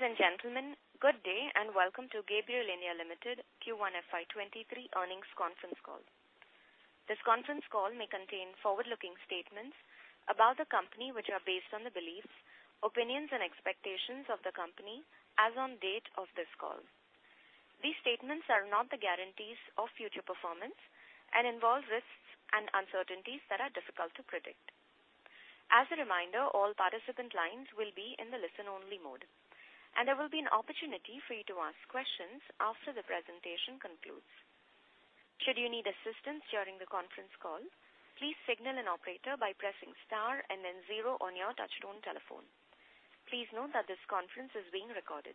Ladies and gentlemen, good day, and welcome to Gabriel India Limited Q1 FY 2023 earnings conference call. This conference call may contain forward-looking statements about the company which are based on the beliefs, opinions, and expectations of the company as on date of this call. These statements are not the guarantees of future performance and involve risks and uncertainties that are difficult to predict. As a reminder, all participant lines will be in the listen-only mode, and there will be an opportunity for you to ask questions after the presentation concludes. Should you need assistance during the conference call, please signal an operator by pressing star and then zero on your touchtone telephone. Please note that this conference is being recorded.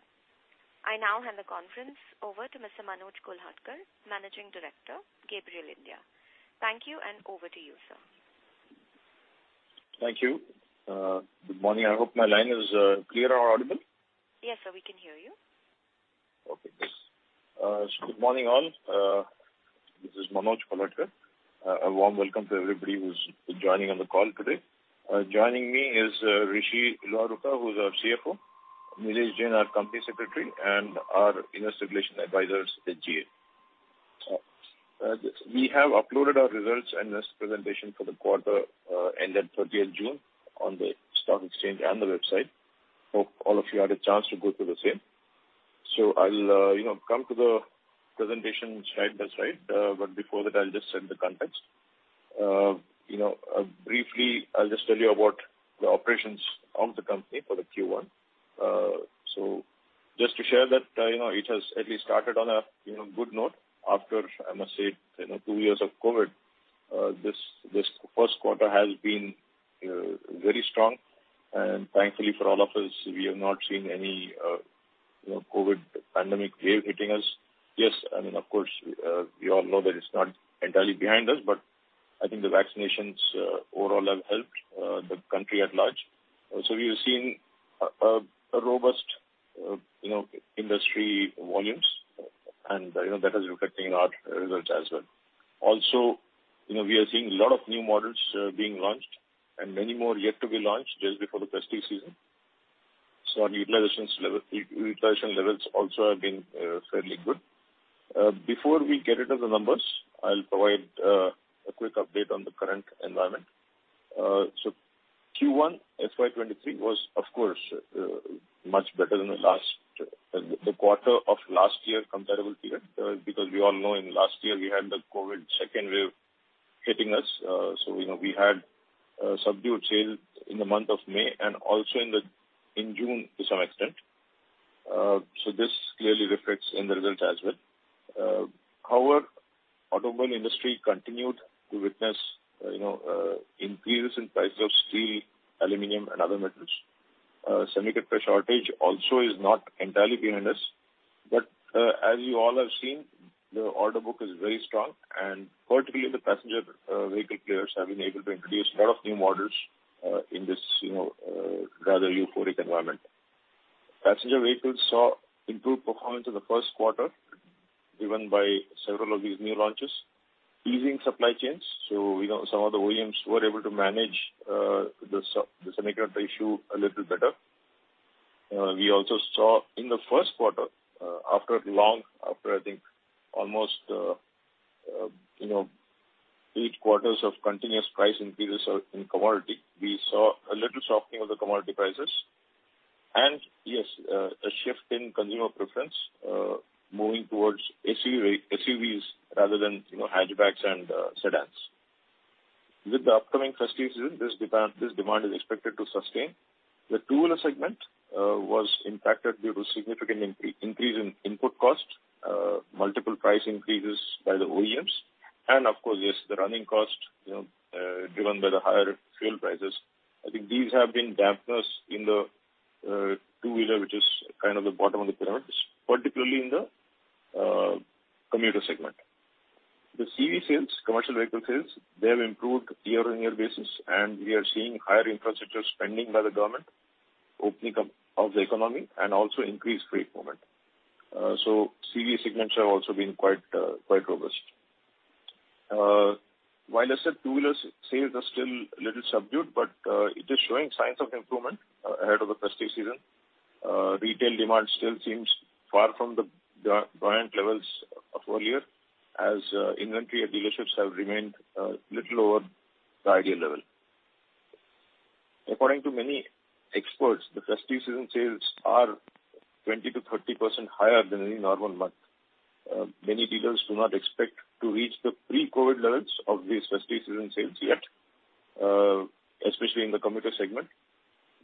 I now hand the conference over to Mr. Manoj Kolhatkar, Managing Director, Gabriel India. Thank you, and over to you, sir. Thank you. Good morning. I hope my line is clear or audible? Yes, sir, we can hear you. Okay, thanks. So good morning, all. This is Manoj Kolhatkar. A warm welcome to everybody who's joining on the call today. Joining me is Rishi Luharuka, who's our CFO, Nilesh Jain, our Company Secretary, and our Investor Relations advisors at SGA. We have uploaded our results and this presentation for the quarter ended 30th June on the stock exchange and the website. Hope all of you had a chance to go through the same. So I'll, you know, come to the presentation slide by slide, but before that, I'll just set the context. You know, briefly, I'll just tell you about the operations of the company for the Q1. So just to share that, you know, it has at least started on a, you know, good note after, I must say, you know, two years of COVID. This first quarter has been very strong, and thankfully for all of us, we have not seen any, you know, COVID pandemic wave hitting us. Yes, I mean, of course, we all know that it's not entirely behind us, but I think the vaccinations, overall, have helped the country at large. Also, we have seen a robust, you know, industry volumes, and, you know, that is reflecting our results as well. Also, you know, we are seeing a lot of new models being launched and many more yet to be launched just before the festive season. So our utilization level, utilization levels also have been fairly good. Before we get into the numbers, I'll provide a quick update on the current environment. So Q1 FY 2023 was, of course, much better than the last quarter of last year comparable period, because we all know in last year, we had the COVID second wave hitting us. So you know, we had subdued sales in the month of May and also in June to some extent. So this clearly reflects in the results as well. However, automobile industry continued to witness, you know, increases in prices of steel, aluminum, and other metals. Semiconductor shortage also is not entirely behind us, but, as you all have seen, the order book is very strong, and particularly the passenger vehicle players have been able to introduce a lot of new models, in this, you know, rather euphoric environment. Passenger vehicles saw improved performance in the first quarter, driven by several of these new launches, easing supply chains, so, you know, some of the OEMs were able to manage the semiconductor issue a little better. We also saw in the first quarter, after, I think, almost, you know, eight quarters of continuous price increases in commodity, we saw a little softening of the commodity prices. Yes, a shift in consumer preference, moving towards AC SUVs rather than, you know, hatchbacks and sedans. With the upcoming festive season, this demand is expected to sustain. The two-wheeler segment was impacted due to significant increase in input costs, multiple price increases by the OEMs, and of course, yes, the running cost, you know, driven by the higher fuel prices. I think these have been dampeners in the two-wheeler, which is kind of the bottom of the pyramid, particularly in the commuter segment. The CV sales, commercial vehicle sales, they have improved year-on-year basis, and we are seeing higher infrastructure spending by the government, opening up of the economy, and also increased freight movement. So CV segments have also been quite quite robust. While I said two-wheeler sales are still a little subdued, but it is showing signs of improvement ahead of the festive season. Retail demand still seems far from the giant levels of earlier, as inventory at dealerships have remained little over the ideal level. According to many experts, the festive season sales are 20%-30% higher than any normal month. Many dealers do not expect to reach the pre-COVID levels of these festive season sales yet, especially in the commuter segment.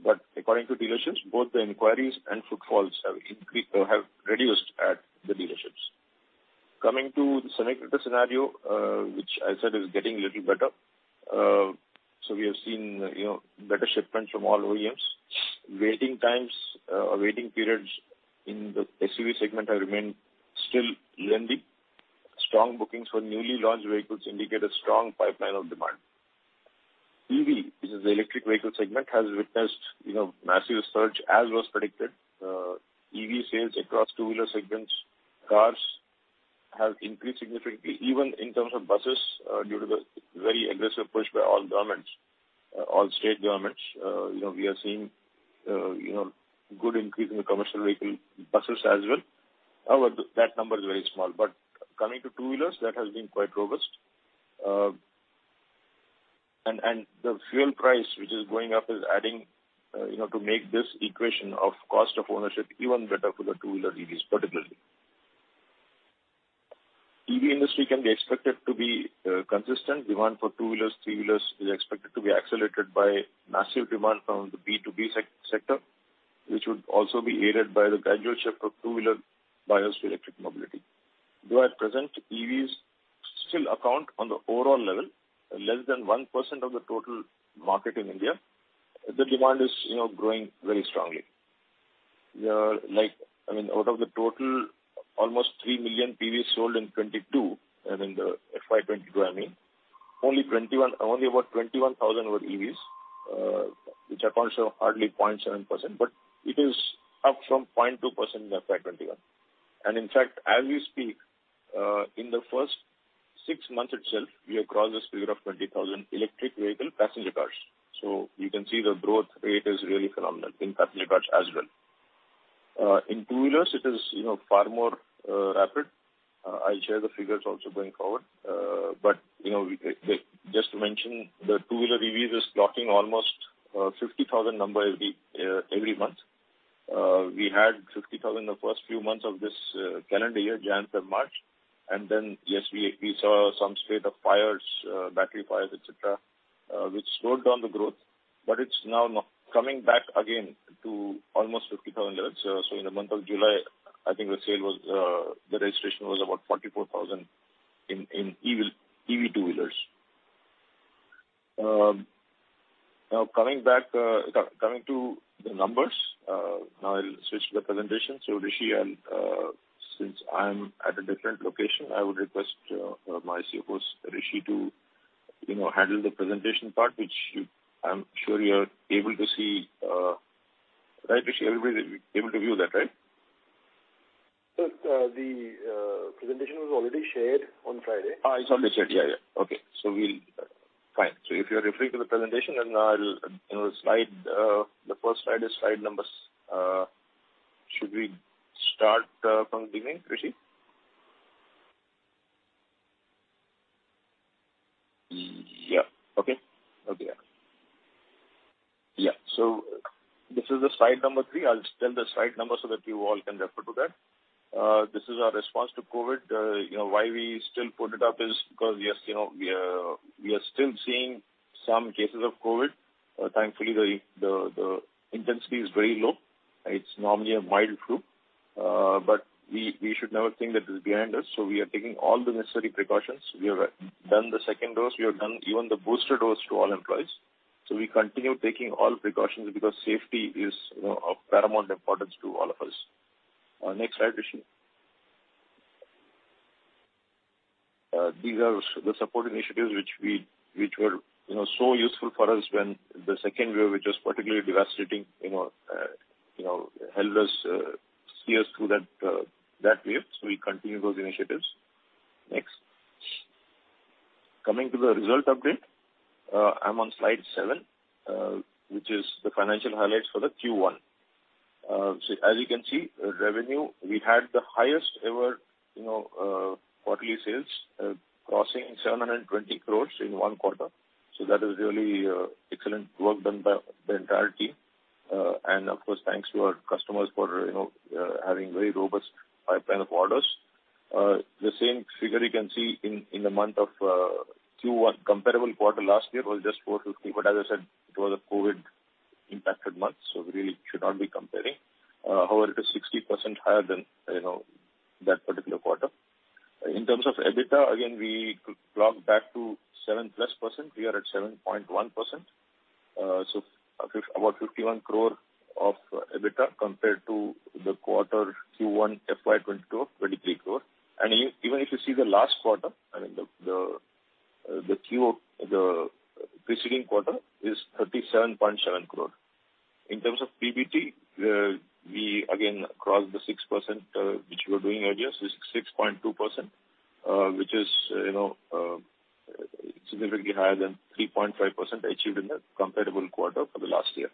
But according to dealerships, both the inquiries and footfalls have increased, have reduced at the dealerships. Coming to the semiconductor scenario, which I said is getting a little better. So we have seen, you know, better shipments from all OEMs. Waiting times, or waiting periods in the SUV segment have remained still lengthy. Strong bookings for newly launched vehicles indicate a strong pipeline of demand. EV, this is the electric vehicle segment, has witnessed, you know, massive surge as was predicted. EV sales across two-wheeler segments has increased significantly, even in terms of buses, due to the very aggressive push by all governments, all state governments. You know, we are seeing, you know, good increase in the commercial vehicle buses as well. However, that number is very small. But coming to two-wheelers, that has been quite robust. And the fuel price, which is going up, is adding, you know, to make this equation of cost of ownership even better for the two-wheeler EVs particularly. EV industry can be expected to be consistent. Demand for two-wheelers, three-wheelers is expected to be accelerated by massive demand from the B2B sector, which would also be aided by the gradual shift of two-wheeler buyers to electric mobility. Though at present, EVs still account on the overall level, less than 1% of the total market in India, the demand is, you know, growing very strongly. Like, I mean, out of the total, almost three million EVs sold in 2022, I mean, the FY 2022, I mean, only 21--only about 21,000 were EVs, which accounts to hardly 0.7%, but it is up from 0.2% in the FY 2021. And in fact, as we speak, in the first six months itself, we have crossed the figure of 20,000 electric vehicle passenger cars. So you can see the growth rate is really phenomenal in passenger cars as well. In two-wheelers, it is, you know, far more rapid. I'll share the figures also going forward. But, you know, just to mention, the two-wheeler EVs is plotting almost 50,000 number every month. We had 50,000 the first few months of this calendar year, January, February, March. And then, yes, we saw some spate of fires, battery fires, et cetera, which slowed down the growth, but it's now coming back again to almost 50,000. So in the month of July, I think the sale was, the registration was about 44,000 in EV two-wheelers. Now coming back, coming to the numbers, now I'll switch to the presentation. So, Rishi, and since I'm at a different location, I would request my CFO, Rishi, to, you know, handle the presentation part, which I'm sure you are able to see. Right, Rishi? Everybody will be able to view that, right? Sir, the presentation was already shared on Friday. Ah, it's already shared. Yeah, yeah. Okay. So we'll... Fine. So if you are referring to the presentation, then I'll, you know, slide, the first slide is slide number—should we start from the beginning, Rishi? Yeah. Okay. Okay. Yeah. So this is the slide number three. I'll tell the slide number so that you all can refer to that. This is our response to COVID. You know, why we still put it up is because, yes, you know, we are still seeing some cases of COVID. Thankfully, the intensity is very low. It's normally a mild flu, but we should never think that it's behind us, so we are taking all the necessary precautions. We have done the second dose. We have done even the booster dose to all employees. So we continue taking all precautions because safety is, you know, of paramount importance to all of us. Next slide, Rishi. These are the support initiatives which were, you know, so useful for us when the second wave, which was particularly devastating, you know, you know, helped us steer through that, that wave, so we continue those initiatives. Next. Coming to the result update, I'm on Slide seven, which is the financial highlights for the Q1. So as you can see, revenue, we had the highest ever, you know, quarterly sales, crossing 720 crore in one quarter. So that is really excellent work done by the entire team. And of course, thanks to our customers for, you know, having very robust pipeline of orders. The same figure you can see in the month of Q1, comparable quarter last year was just 450. But as I said, it was a COVID-impacted month, so we really should not be comparing. However, it is 60% higher than, you know, that particular quarter. In terms of EBITDA, again, we clocked back to 7%+. We are at 7.1%. So about 51 crore of EBITDA compared to the quarter Q1, FY 2022, 23 crore. And even if you see the last quarter, I mean, the preceding quarter is 37.7 crore. In terms of PBT, we again crossed the 6%, which we were doing earlier, 6.2%, which is, you know, significantly higher than 3.5% achieved in the comparable quarter for the last year.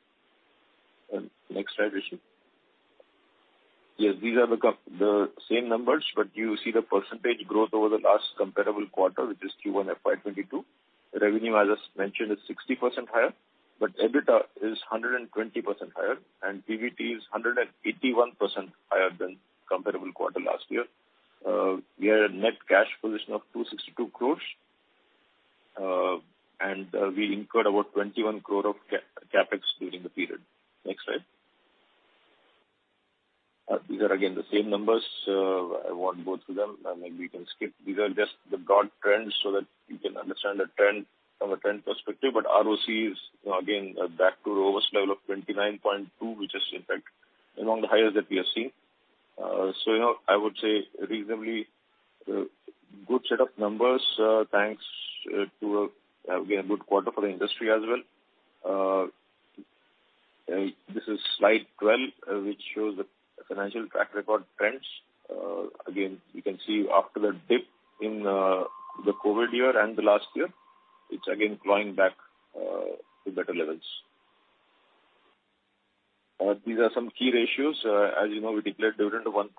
Next slide, Rishi. Yes, these are the same numbers, but you see the percentage growth over the last comparable quarter, which is Q1 FY 2022. Revenue, as I mentioned, is 60% higher, but EBITDA is 120% higher, and PBT is 181% higher than comparable quarter last year. We are a net cash position of 262 crore, and we incurred about 21 crore of CapEx during the period. Next slide. These are again the same numbers, I won't go through them. Maybe we can skip. These are just the broad trends so that you can understand the trend from a trend perspective, but ROC is, you know, again, back to robust level of 29.2, which is in fact among the highest that we have seen. So, you know, I would say reasonably good set of numbers, thanks to, again, a good quarter for the industry as well. This is Slide 12, which shows the financial track record trends. Again, you can see after the dip in the COVID year and the last year, it's again clawing back to better levels. These are some key ratios. As you know, we declared dividend of 1.6,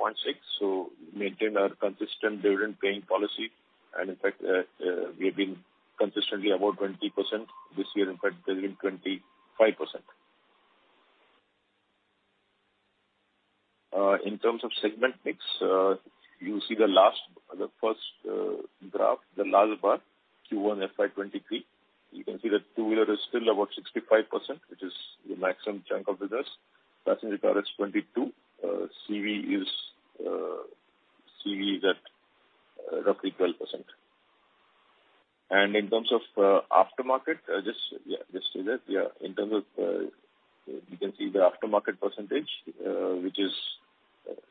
so maintained our consistent dividend paying policy. In fact, we have been consistently about 20%. This year, in fact, it will be 25%. In terms of segment mix, you see the last - the first graph, the large bar, Q1 FY 2023. You can see that two-wheeler is still about 65%, which is the maximum chunk of the this. Passenger car is 22%, CV is at roughly 12%. And in terms of aftermarket, just, yeah, just say that, yeah, in terms of, you can see the aftermarket percentage, which is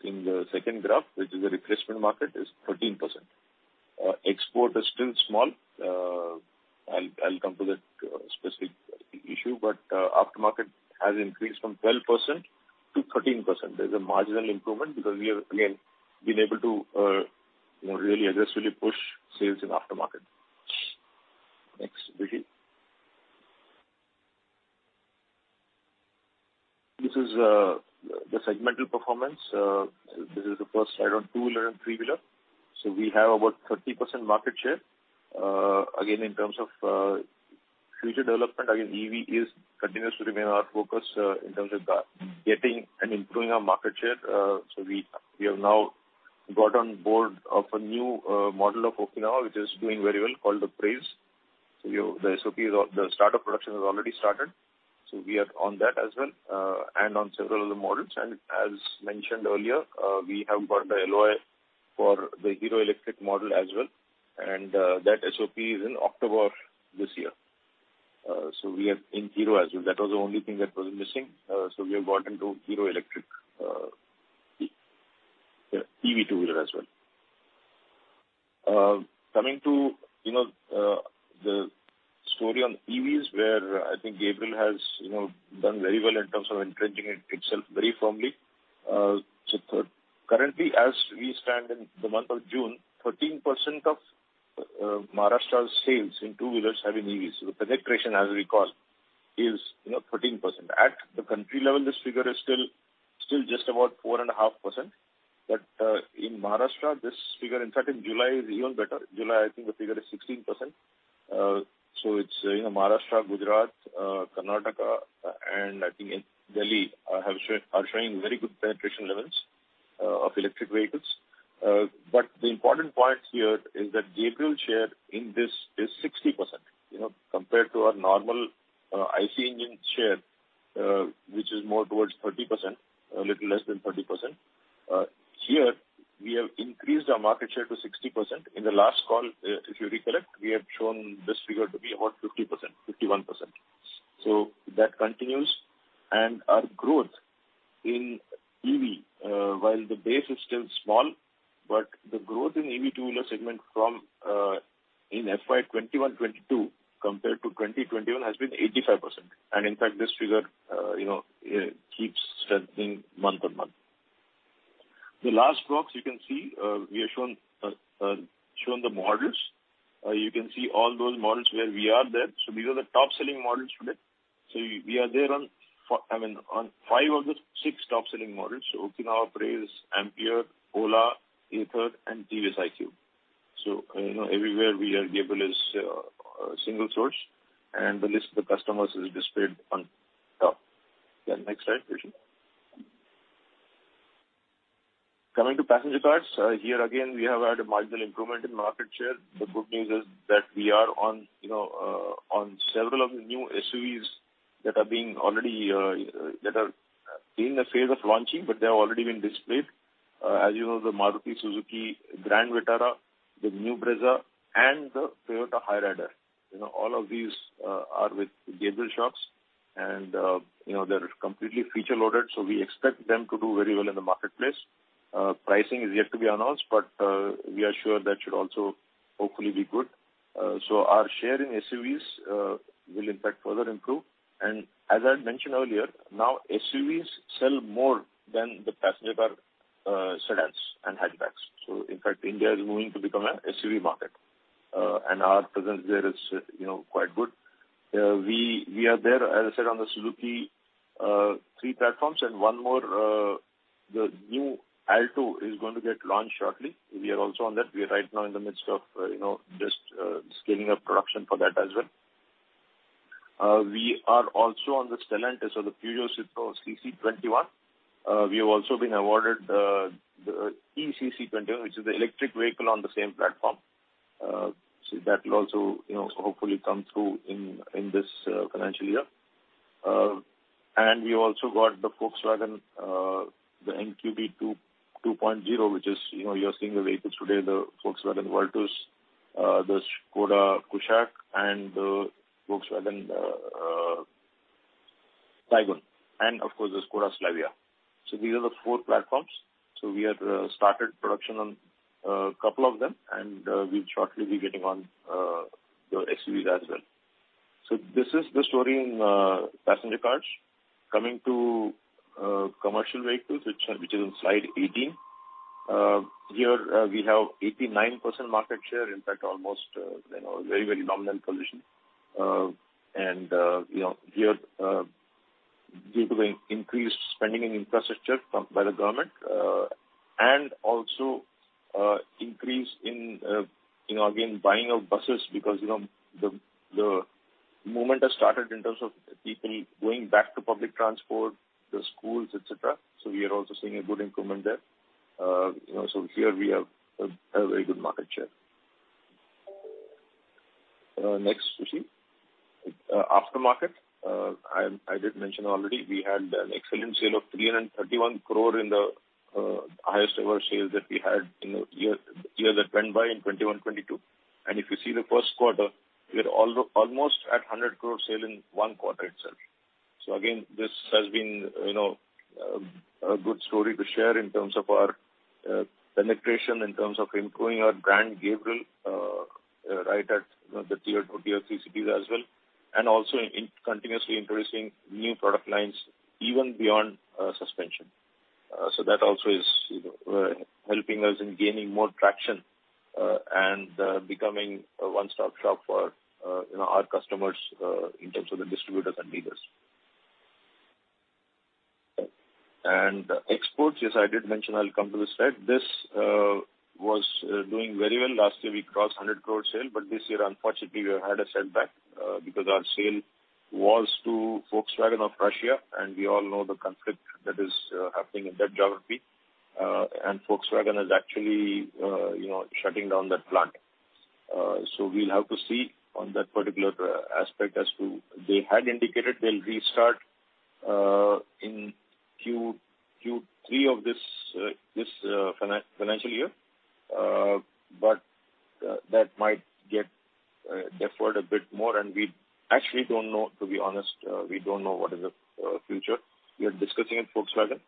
in the second graph, which is a replacement market, is 13%. Export is still small. I'll, I'll come to that specific issue, but aftermarket has increased from 12% to 13%. There's a marginal improvement because we have, again, been able to, you know, really aggressively push sales in aftermarket. Next, please. This is the segmental performance. This is the first slide on two-wheeler and three-wheeler. So we have about 30% market share. Again, in terms of future development, again, EV is continues to remain our focus, in terms of that, getting and improving our market share. So we have now got on board of a new model of Okinawa, which is doing very well, called the Praise. So you know, the SOP is on—the start of production has already started, so we are on that as well, and on several of the models. And as mentioned earlier, we have got the LOI for the Hero Electric model as well, and that SOP is in October this year. So we are in Hero as well. That was the only thing that was missing, so we have got into Hero Electric, the EV two-wheeler as well. Coming to, you know, the story on EVs, where I think Gabriel has, you know, done very well in terms of entrenching it itself very firmly. So currently, as we stand in the month of June, 13% of Maharashtra's sales in two-wheelers have been EVs. So the penetration, as we call, is, you know, 13%. At the country level, this figure is still just about 4.5%. But, in Maharashtra, this figure, in fact, in July, is even better. July, I think the figure is 16%. So it's, you know, Maharashtra, Gujarat, Karnataka, and I think in Delhi, have shown, are showing very good penetration levels, of electric vehicles. But the important point here is that Gabriel share in this is 60%, you know, compared to our normal, IC engine share, which is more towards 30%, a little less than 30%. Here, we have increased our market share to 60%. In the last call, if you recollect, we have shown this figure to be about 50%, 51%. So that continues. And our growth in EV, while the base is still small, but the growth in EV two-wheeler segment from in FY 2021-2022, compared to 2020-2021, has been 85%. And in fact, this figure, you know, keeps strengthening month-on-month. The last box you can see, we have shown the models. You can see all those models where we are there. So these are the top-selling models today. So we are there on five of the six top-selling models, so Okinawa, Praise, Ampere, Ola, Ather, and TVS iQube. So, you know, everywhere we are, Gabriel is a single source, and the list of the customers is displayed on top. Then next slide, please. Coming to passenger cars, here again, we have had a marginal improvement in market share. The good news is that we are on, you know, on several of the new SUVs that are being already that are in the phase of launching, but they have already been displayed. As you know, the Maruti Suzuki Grand Vitara, the new Brezza, and the Toyota Hyryder. You know, all of these are with Gabriel Shocks, and you know, they're completely feature loaded, so we expect them to do very well in the marketplace. Pricing is yet to be announced, but we are sure that should also hopefully be good. So our share in SUVs will in fact further improve. And as I mentioned earlier, now SUVs sell more than the passenger car sedans and hatchbacks. So in fact, India is going to become an SUV market, and our presence there is, you know, quite good. We are there, as I said, on the Suzuki three platforms, and one more, the new Alto is going to get launched shortly. We are also on that. We are right now in the midst of you know, just scaling up production for that as well. We are also on the Stellantis or the Peugeot Citroën CC21. We have also been awarded the eCC21, which is the electric vehicle on the same platform. So that will also, you know, hopefully come through in this financial year. And we also got the Volkswagen the MQB 2.0, which is, you know, you are seeing the vehicles today, the Volkswagen Virtus the Skoda Kushaq, and the Volkswagen Taigun, and of course, the Skoda Slavia. So these are the four platforms. So we have started production on a couple of them, and we'll shortly be getting on the SUVs as well. So this is the story in passenger cars. Coming to commercial vehicles, which is on Slide 18. Here, we have 89% market share, in fact, almost, you know, very, very dominant position. And, you know, here, due to the increased spending in infrastructure from, by the government, and also, increase in, you know, again, buying of buses, because, you know, the movement has started in terms of people going back to public transport, the schools, et cetera. So we are also seeing a good improvement there. You know, so here we have a very good market share. Next, Rishi. Aftermarket, I did mention already, we had an excellent sale of 331 crore in the, highest ever sale that we had in the year, year that went by in 2021-2022. And if you see the first quarter, we are almost at 100 crore sale in one quarter itself. So again, this has been, you know, a good story to share in terms of our penetration, in terms of improving our brand, Gabriel, right at, you know, the Tier 2, Tier 3 cities as well, and also in continuously introducing new product lines even beyond suspension. So that also is, you know, helping us in gaining more traction, and becoming a one-stop shop for, you know, our customers, in terms of the distributors and dealers. And exports, yes, I did mention, I'll come to the slide. This was doing very well. Last year, we crossed 100 crore sale, but this year, unfortunately, we had a setback because our sale was to Volkswagen of Russia, and we all know the conflict that is happening in that geography. And Volkswagen is actually, you know, shutting down that plant. So we'll have to see on that particular aspect as to... They had indicated they'll restart in Q3 of this financial year, but that might get deferred a bit more, and we actually don't know, to be honest, we don't know what is the future. We are discussing with Volkswagen,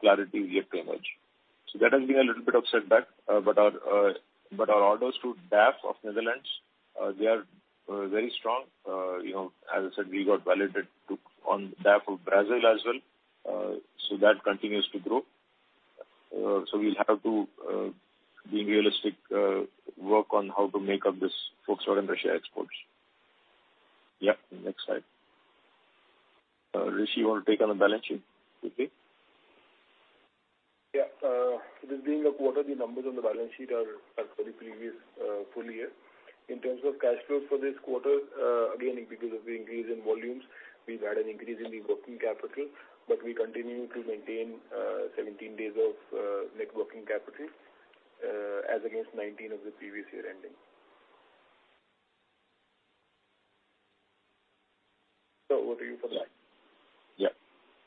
clarity yet to emerge. So that has been a little bit of setback, but our orders to DAF of Netherlands, they are very strong. You know, as I said, we got validated to, on DAF of Brazil as well, so that continues to grow. So we'll have to, be realistic, work on how to make up this Volkswagen Russia exports. Yeah, next slide. Rishi, you want to take on the balance sheet quickly? Yeah, this being a quarter, the numbers on the balance sheet are, are for the previous, full year. In terms of cash flow for this quarter, again, because of the increase in volumes, we've had an increase in the working capital, but we continue to maintain, 17 days of, net working capital, as against 19 of the previous year ending. So over to you for that. Yeah.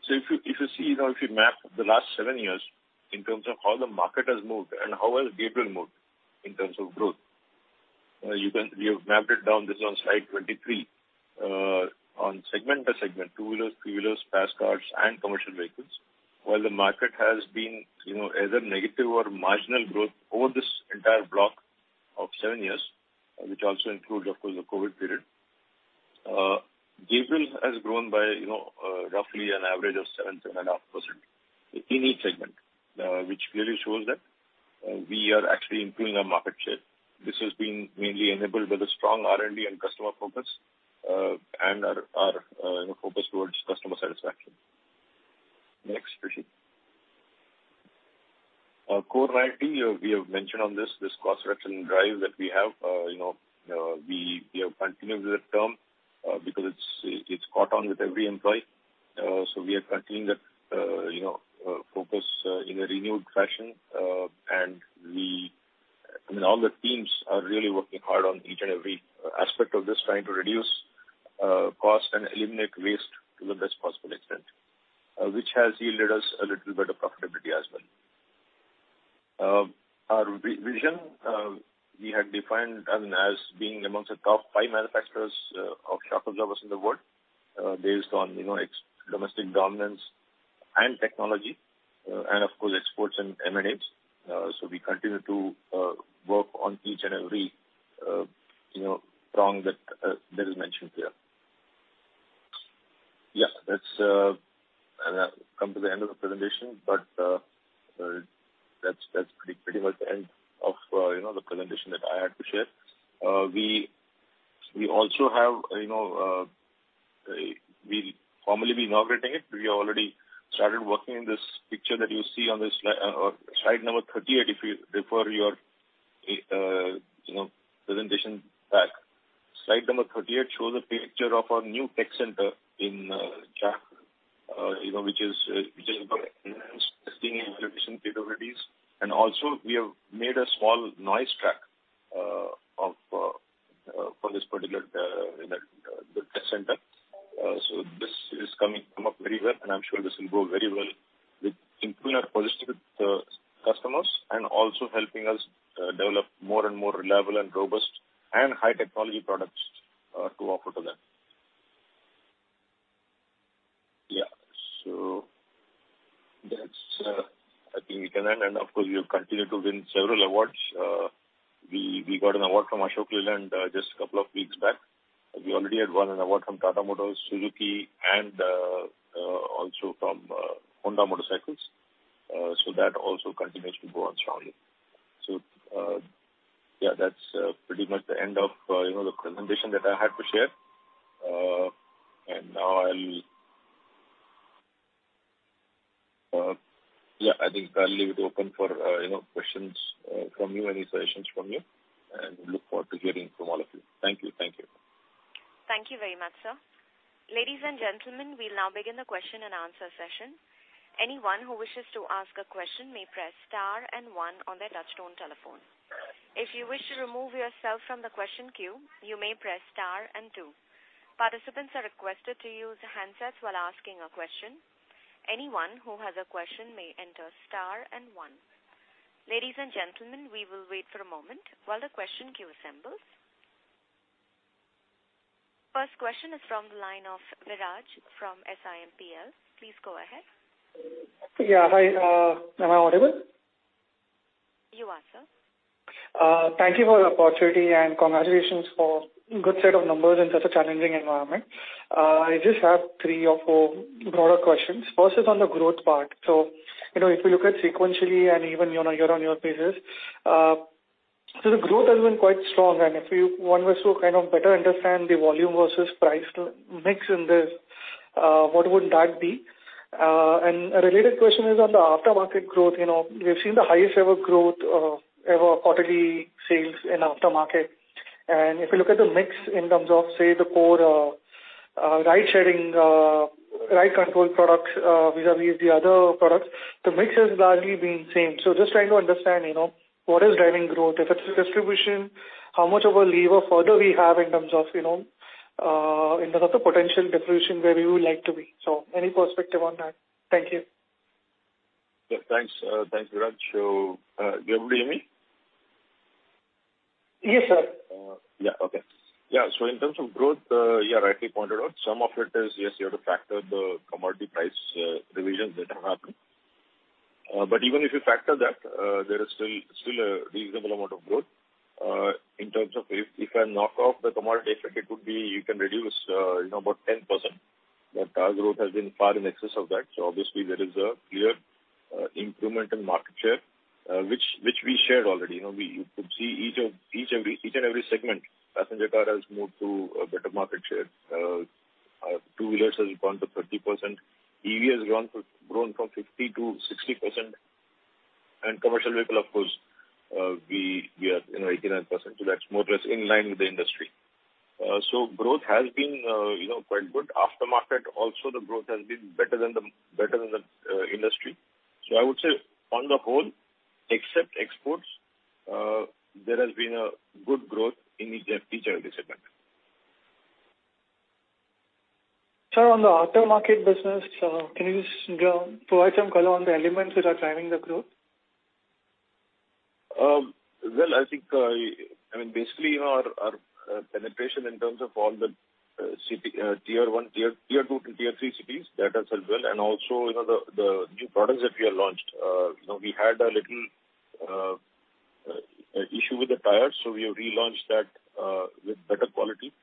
So if you, if you see, you know, if you map the last seven years in terms of how the market has moved and how well Gabriel moved in terms of growth, we have mapped it down, this is on Slide 23. On segment by segment, two-wheelers, three-wheelers, passenger cars, and commercial vehicles. While the market has been, you know, either negative or marginal growth over this entire block of seven years, which also include, of course, the COVID period, Gabriel has grown by, you know, roughly an average of 7%-7.5% in each segment, which really shows that, we are actually improving our market share. This has been mainly enabled by the strong R&D and customer focus, and our, our, you know, focus towards customer satisfaction. Next, Rishi. Core 90, we have mentioned on this cost reduction drive that we have. You know, we have continued with that term because it's caught on with every employee. So we are continuing that, you know, focus in a renewed fashion, and we... I mean, all the teams are really working hard on each and every aspect of this, trying to reduce cost and eliminate waste to the best possible extent, which has yielded us a little bit of profitability as well. Our vision, we had defined as being amongst the top five manufacturers of shock absorbers in the world, based on, you know, export domestic dominance and technology, and of course, exports and M&As. So we continue to work on each and every you know prong that that is mentioned here. Yeah, that's I have come to the end of the presentation, but that's that's pretty pretty much the end of you know the presentation that I had to share. We we also have you know we'll formally be inaugurating it. We already started working in this picture that you see on this slide number 38, if you refer your you know presentation back. Slide number 38 shows a picture of our new tech center in Chakan you know which is which is going to enhance testing and validation capabilities. And also, we have made a small noise track of for this particular you know the tech center. So this is coming, come up very well, and I'm sure this will go very well with improving our position with customers, and also helping us develop more and more reliable and robust and high technology products to offer to them. Yeah, so that's, I think we can end, and of course, we have continued to win several awards. We got an award from Ashok Leyland just a couple of weeks back. We already had won an award from Tata Motors, Suzuki, and also from Honda Motorcycles. So that also continues to go on strongly. So yeah, that's pretty much the end of you know the presentation that I had to share. And now I'll yeah, I think I'll leave it open for, you know, questions from you, any questions from you, and look forward to hearing from all of you. Thank you. Thank you. Thank you very much, sir. Ladies and gentlemen, we now begin the question and answer session. Anyone who wishes to ask a question may press star and one on their touchtone telephone. If you wish to remove yourself from the question queue, you may press star and two. Participants are requested to use handsets while asking a question. Anyone who has a question may enter star and one. Ladies and gentlemen, we will wait for a moment while the question queue assembles. First question is from the line of Viraj from SiMPL. Please go ahead. Yeah, hi. Am I audible? You are, sir. Thank you for the opportunity, and congratulations for good set of numbers in such a challenging environment. I just have three or four broader questions. First is on the growth part. So, you know, if you look at sequentially and even, you know, year-on-year basis, so the growth has been quite strong. And if one was to kind of better understand the volume versus price mix in this, what would that be? And a related question is on the aftermarket growth. You know, we've seen the highest ever quarterly sales in aftermarket. And if you look at the mix in terms of, say, the core ride control products, vis-à-vis the other products, the mix has largely been the same. Just trying to understand, you know, what is driving growth, if it's distribution, how much of a lever further we have in terms of, you know, in terms of the potential penetration where we would like to be? Any perspective on that? Thank you. Yeah, thanks. Thanks, Viraj. So, you're able to hear me? Yes, sir. Yeah, okay. Yeah, so in terms of growth, you rightly pointed out, some of it is, yes, you have to factor the commodity price revisions that have happened. But even if you factor that, there is still a reasonable amount of growth. In terms of if I knock off the commodity effect, it would be you can reduce, you know, about 10%, but our growth has been far in excess of that. So obviously, there is a clear incremental market share, which we shared already. You know, we you could see each and every segment. Passenger car has moved to a better market share, two-wheelers has gone to 30%, EV has grown from 50% to 60%, and commercial vehicle, of course, we are, you know, 89%, so that's more or less in line with the industry. So growth has been, you know, quite good. Aftermarket also, the growth has been better than the industry. So I would say on the whole, except exports, there has been a good growth in each and every segment. Sir, on the aftermarket business, can you just provide some color on the elements which are driving the growth? Well, I think, I mean, basically, our penetration in terms of all the city, tier one, tier two to tier three cities, that has helped well. And also, you know, the new products that we have launched. You know, we had a little issue with the tires, so we have relaunched that with better quality.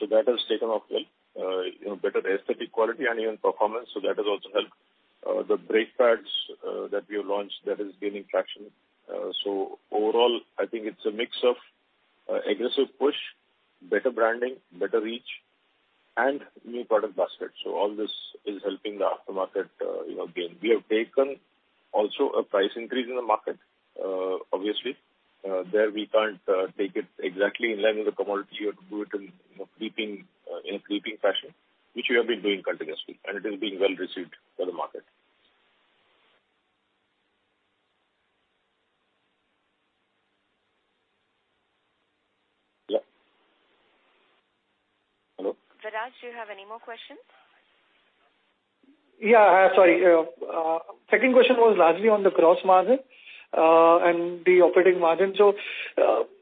So that has taken off well, you know, better aesthetic quality and even performance, so that has also helped. The brake pads that we have launched, that is gaining traction. So overall, I think it's a mix of aggressive push, better branding, better reach, and new product basket. So all this is helping the aftermarket, you know, gain. We have taken also a price increase in the market. Obviously, there we can't take it exactly in line with the commodity. You have to do it in, you know, creeping, in a creeping fashion, which we have been doing continuously, and it is being well received by the market. Yeah. Hello? Viraj, do you have any more questions? Yeah, sorry. Second question was largely on the gross margin, and the operating margin. So,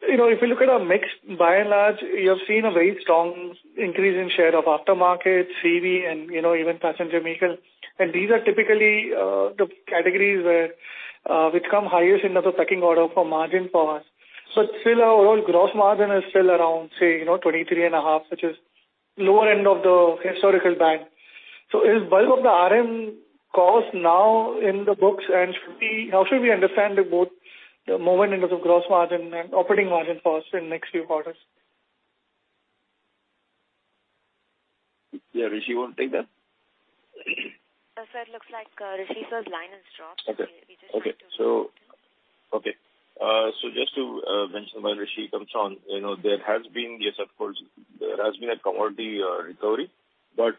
you know, if you look at our mix, by and large, you have seen a very strong increase in share of aftermarket, CV, and, you know, even passenger vehicles. And these are typically, the categories where, which come highest in the pecking order for margin power. But still, our overall gross margin is still around, say, you know, 23.5%, which is lower end of the historical band. So is bulk of the RM cost now in the books, and should we—how should we understand both the movement into the gross margin and operating margin for us in the next few quarters? Yeah, Rishi, you want to take that? Sir, it looks like Rishi's line is dropped. Okay. Okay. So, just to mention while Rishi comes on, you know, there has been, yes, of course, there has been a commodity recovery, but,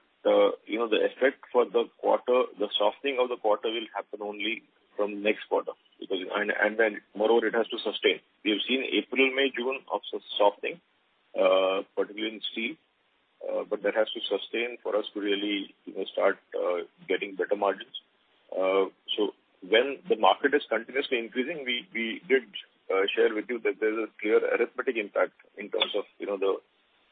you know, the effect for the quarter, the softening of the quarter will happen only from next quarter, because. And then moreover, it has to sustain. We have seen April, May, June of softening, particularly in steel. But that has to sustain for us to really, you know, start getting better margins. So when the market is continuously increasing, we did share with you that there's a clear arithmetic impact in terms of, you know,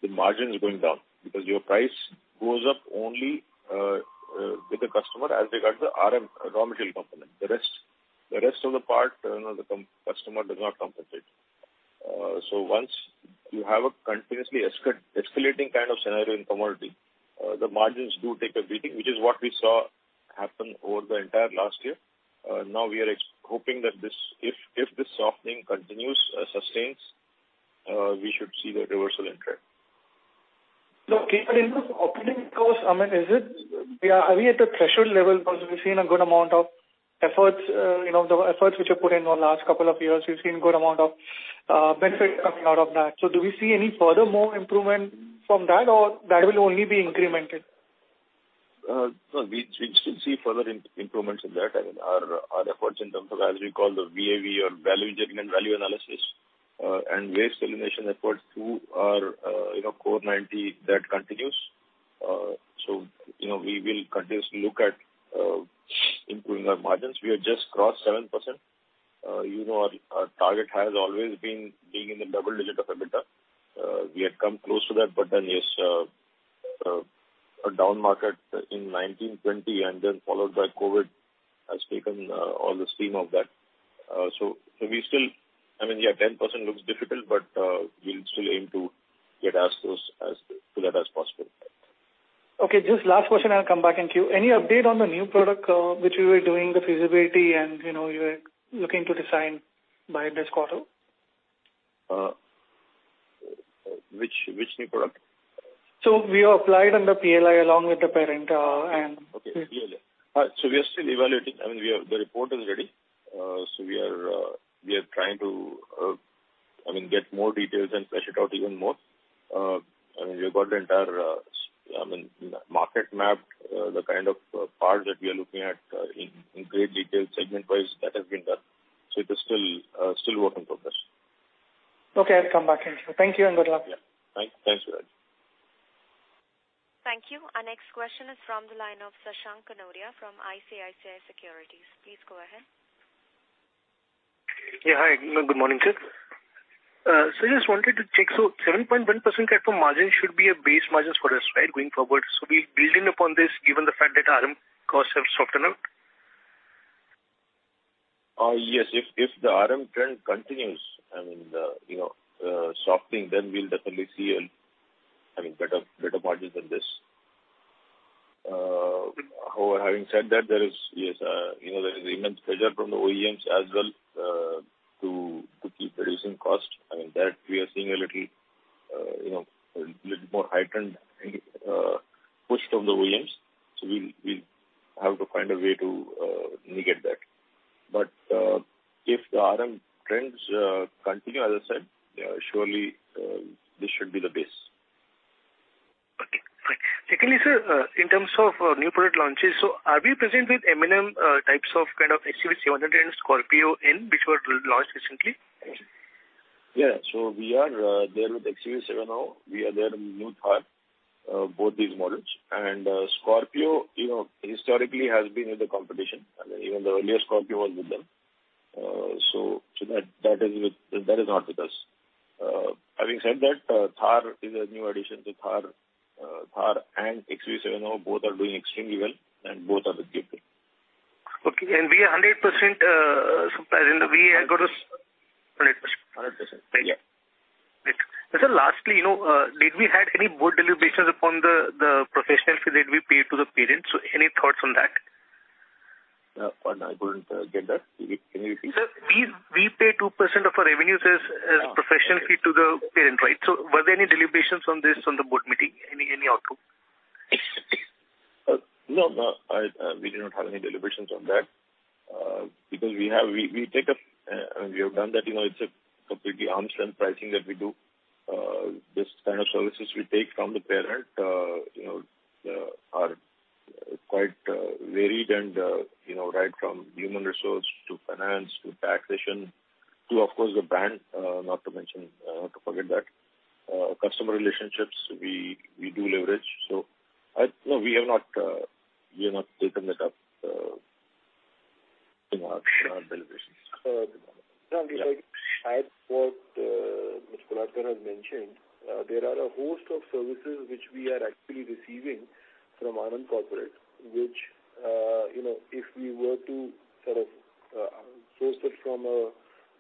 the margins going down. Because your price goes up only with the customer as regards the RM, raw material component. The rest of the part, you know, the customer does not compensate. So once you have a continuously escalating kind of scenario in commodity, the margins do take a beating, which is what we saw happen over the entire last year. Now we are expecting that this—if this softening continues, sustains, we should see the reversal in trend. So, in the operating costs, I mean, is it, we are—are we at the threshold level? Because we've seen a good amount of efforts, you know, the efforts which are put in over the last couple of years. We've seen good amount of, benefit coming out of that. So do we see any further more improvement from that, or that will only be incremental? So we should see further improvements in that. I mean, our efforts in terms of, as we call the VA/VE or value engineering, value analysis, and waste elimination efforts through our, you know, core 90, that continues. So, you know, we will continuously look at improving our margins. We have just crossed 7%. You know, our target has always been being in the double digit of EBITDA. We had come close to that, but then a down market in 2019-2020, and then followed by COVID, has taken all the steam of that. So we still... I mean, yeah, 10% looks difficult, but we'll still aim to get as close as to that as possible. Okay, just last question. I'll come back and queue. Any update on the new product, which you were doing the feasibility and, you know, you were looking to design by this quarter? Which new product? We applied on the PLI along with the parent, and- Okay, PLI. So we are still evaluating. I mean, we have the report is ready. So we are trying to, I mean, get more details and flesh it out even more. I mean, we've got the entire, I mean, market map, the kind of parts that we are looking at, in great detail, segment-wise, that has been done. So it is still work in progress. Okay, I'll come back and queue. Thank you and good luck. Yeah. Thanks for that. Thank you. Our next question is from the line of Shashank Kanodia from ICICI Securities. Please go ahead. Yeah, hi. Good morning, sir. So I just wanted to check, so 7.1% EBITDA margin should be a base margins for us, right, going forward? So we're building upon this, given the fact that RM costs have softened out? Yes, if the RM trend continues, I mean, the, you know, softening, then we'll definitely see a, I mean, better margin than this. However, having said that, there is, yes, you know, there is immense pressure from the OEMs as well, to keep reducing cost. I mean, that we are seeing a little, you know, a little more heightened push from the OEMs. So we'll have to find a way to mitigate that. But, if the RM trends continue, as I said, surely, this should be the base. Okay, fine. Secondly, sir, in terms of new product launches, so are we present with M&M, types of kind of XUV700 and Scorpio N, which were launched recently? Yeah. So we are there with XUV700. We are there in new Thar, both these models. And, Scorpio, you know, historically has been in the competition. I mean, even the earlier Scorpio was with them. So, that is with, that is not with us. Having said that, Thar is a new addition. So Thar and XUV700, both are doing extremely well, and both are with Gabriel. Okay. We are 100% supplier, and we are going to- 100%. 100%. Yeah. Great. And sir, lastly, you know, did we had any board deliberations upon the professional fee that we paid to the parents? So any thoughts on that? Pardon, I couldn't get that. Can you repeat? Sir, we pay 2% of our revenues as professional fee to the parent, right? So were there any deliberations on this on the board meeting? Any outcome? No, no, we did not have any deliberations on that. Because we have... We take, and we have done that, you know, it's a completely arm's length pricing that we do. This kind of services we take from the parent, you know, are quite varied and, you know, right from human resource to finance to taxation to, of course, the brand, not to mention, not to forget that. Customer relationships, we do leverage. So, no, we have not, we have not taken that up in our deliberations. And like, as what Mr. Kolhatkar has mentioned, there are a host of services which we are actually receiving from Anand Corporate, which, you know, if we were to sort of source it from a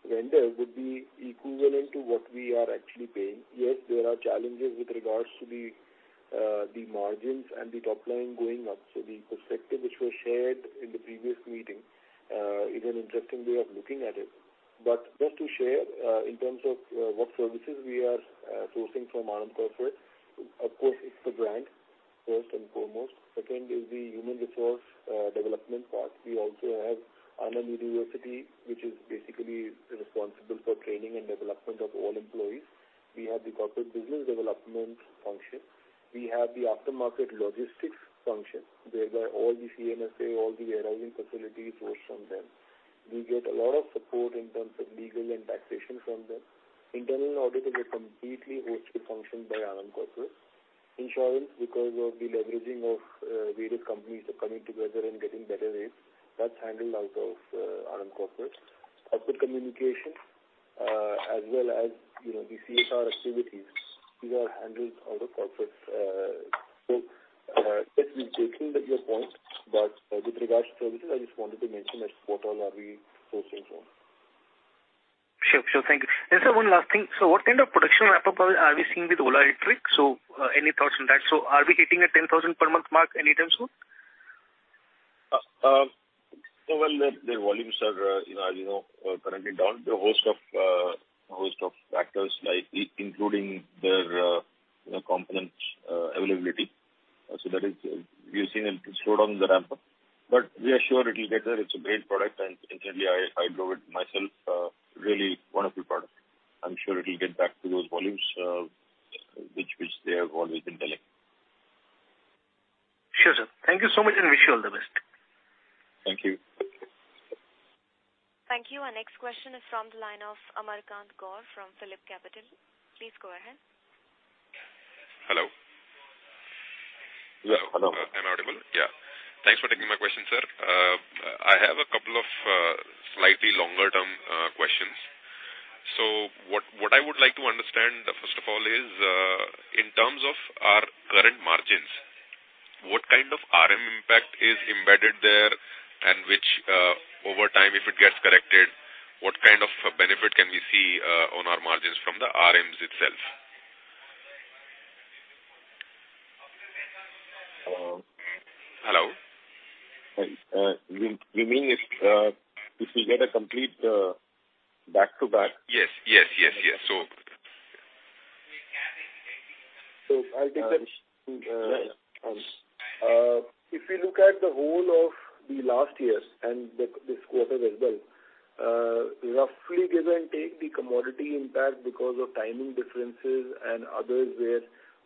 vendor, would be equivalent to what we are actually paying. Yes, there are challenges with regards to the margins and the top line going up. So the perspective which was shared in the previous meeting is an interesting way of looking at it. But just to share, in terms of what services we are sourcing from Anand Corporate, of course, it's the brand, first and foremost. Second is the human resource development part. We also have Anand University, which is basically responsible for training and development of all employees. We have the corporate business development function. We have the aftermarket logistics function, whereby all the CMSA, all the warehousing facility is sourced from them.... We get a lot of support in terms of legal and taxation from them. Internal audit is a completely hosted function by Anand Corporate. Insurance, because of the leveraging of various companies coming together and getting better rates, that's handled out of Anand Corporate. Corporate communication, as well as, you know, the CSR activities, these are handled out of corporate. So, yes, we've taken your point, but with regards to services, I just wanted to mention that what all are we sourcing from. Sure, sure. Thank you. And sir, one last thing: so what kind of production ramp-up are we seeing with Ola Electric? So, any thoughts on that? So are we hitting a 10,000 per month mark anytime soon? So well, the volumes are, you know, as you know, currently down. There are a host of factors, like, including their, you know, components availability. So that is, we have seen it slowed down the ramp-up. But we are sure it will get there. It's a great product, and internally, I drove it myself. Really wonderful product. I'm sure it will get back to those volumes, which they have always been telling. Sure, sir. Thank you so much, and wish you all the best. Thank you. Thank you. Our next question is from the line of Amar Kant Gaur from PhillipCapital. Please go ahead. Hello? Yeah, hello. Am I audible? Yeah. Thanks for taking my question, sir. I have a couple of slightly longer-term questions. So what I would like to understand, first of all, is in terms of our current margins, what kind of RM impact is embedded there, and which over time, if it gets corrected, what kind of benefit can we see on our margins from the RMs itself? Um... Hello? You, you mean if, if we get a complete back-to-back? Yes, yes, yes, yes. So- So I'll take that. If you look at the whole of the last years and the this quarter as well, roughly give and take the commodity impact because of timing differences and others where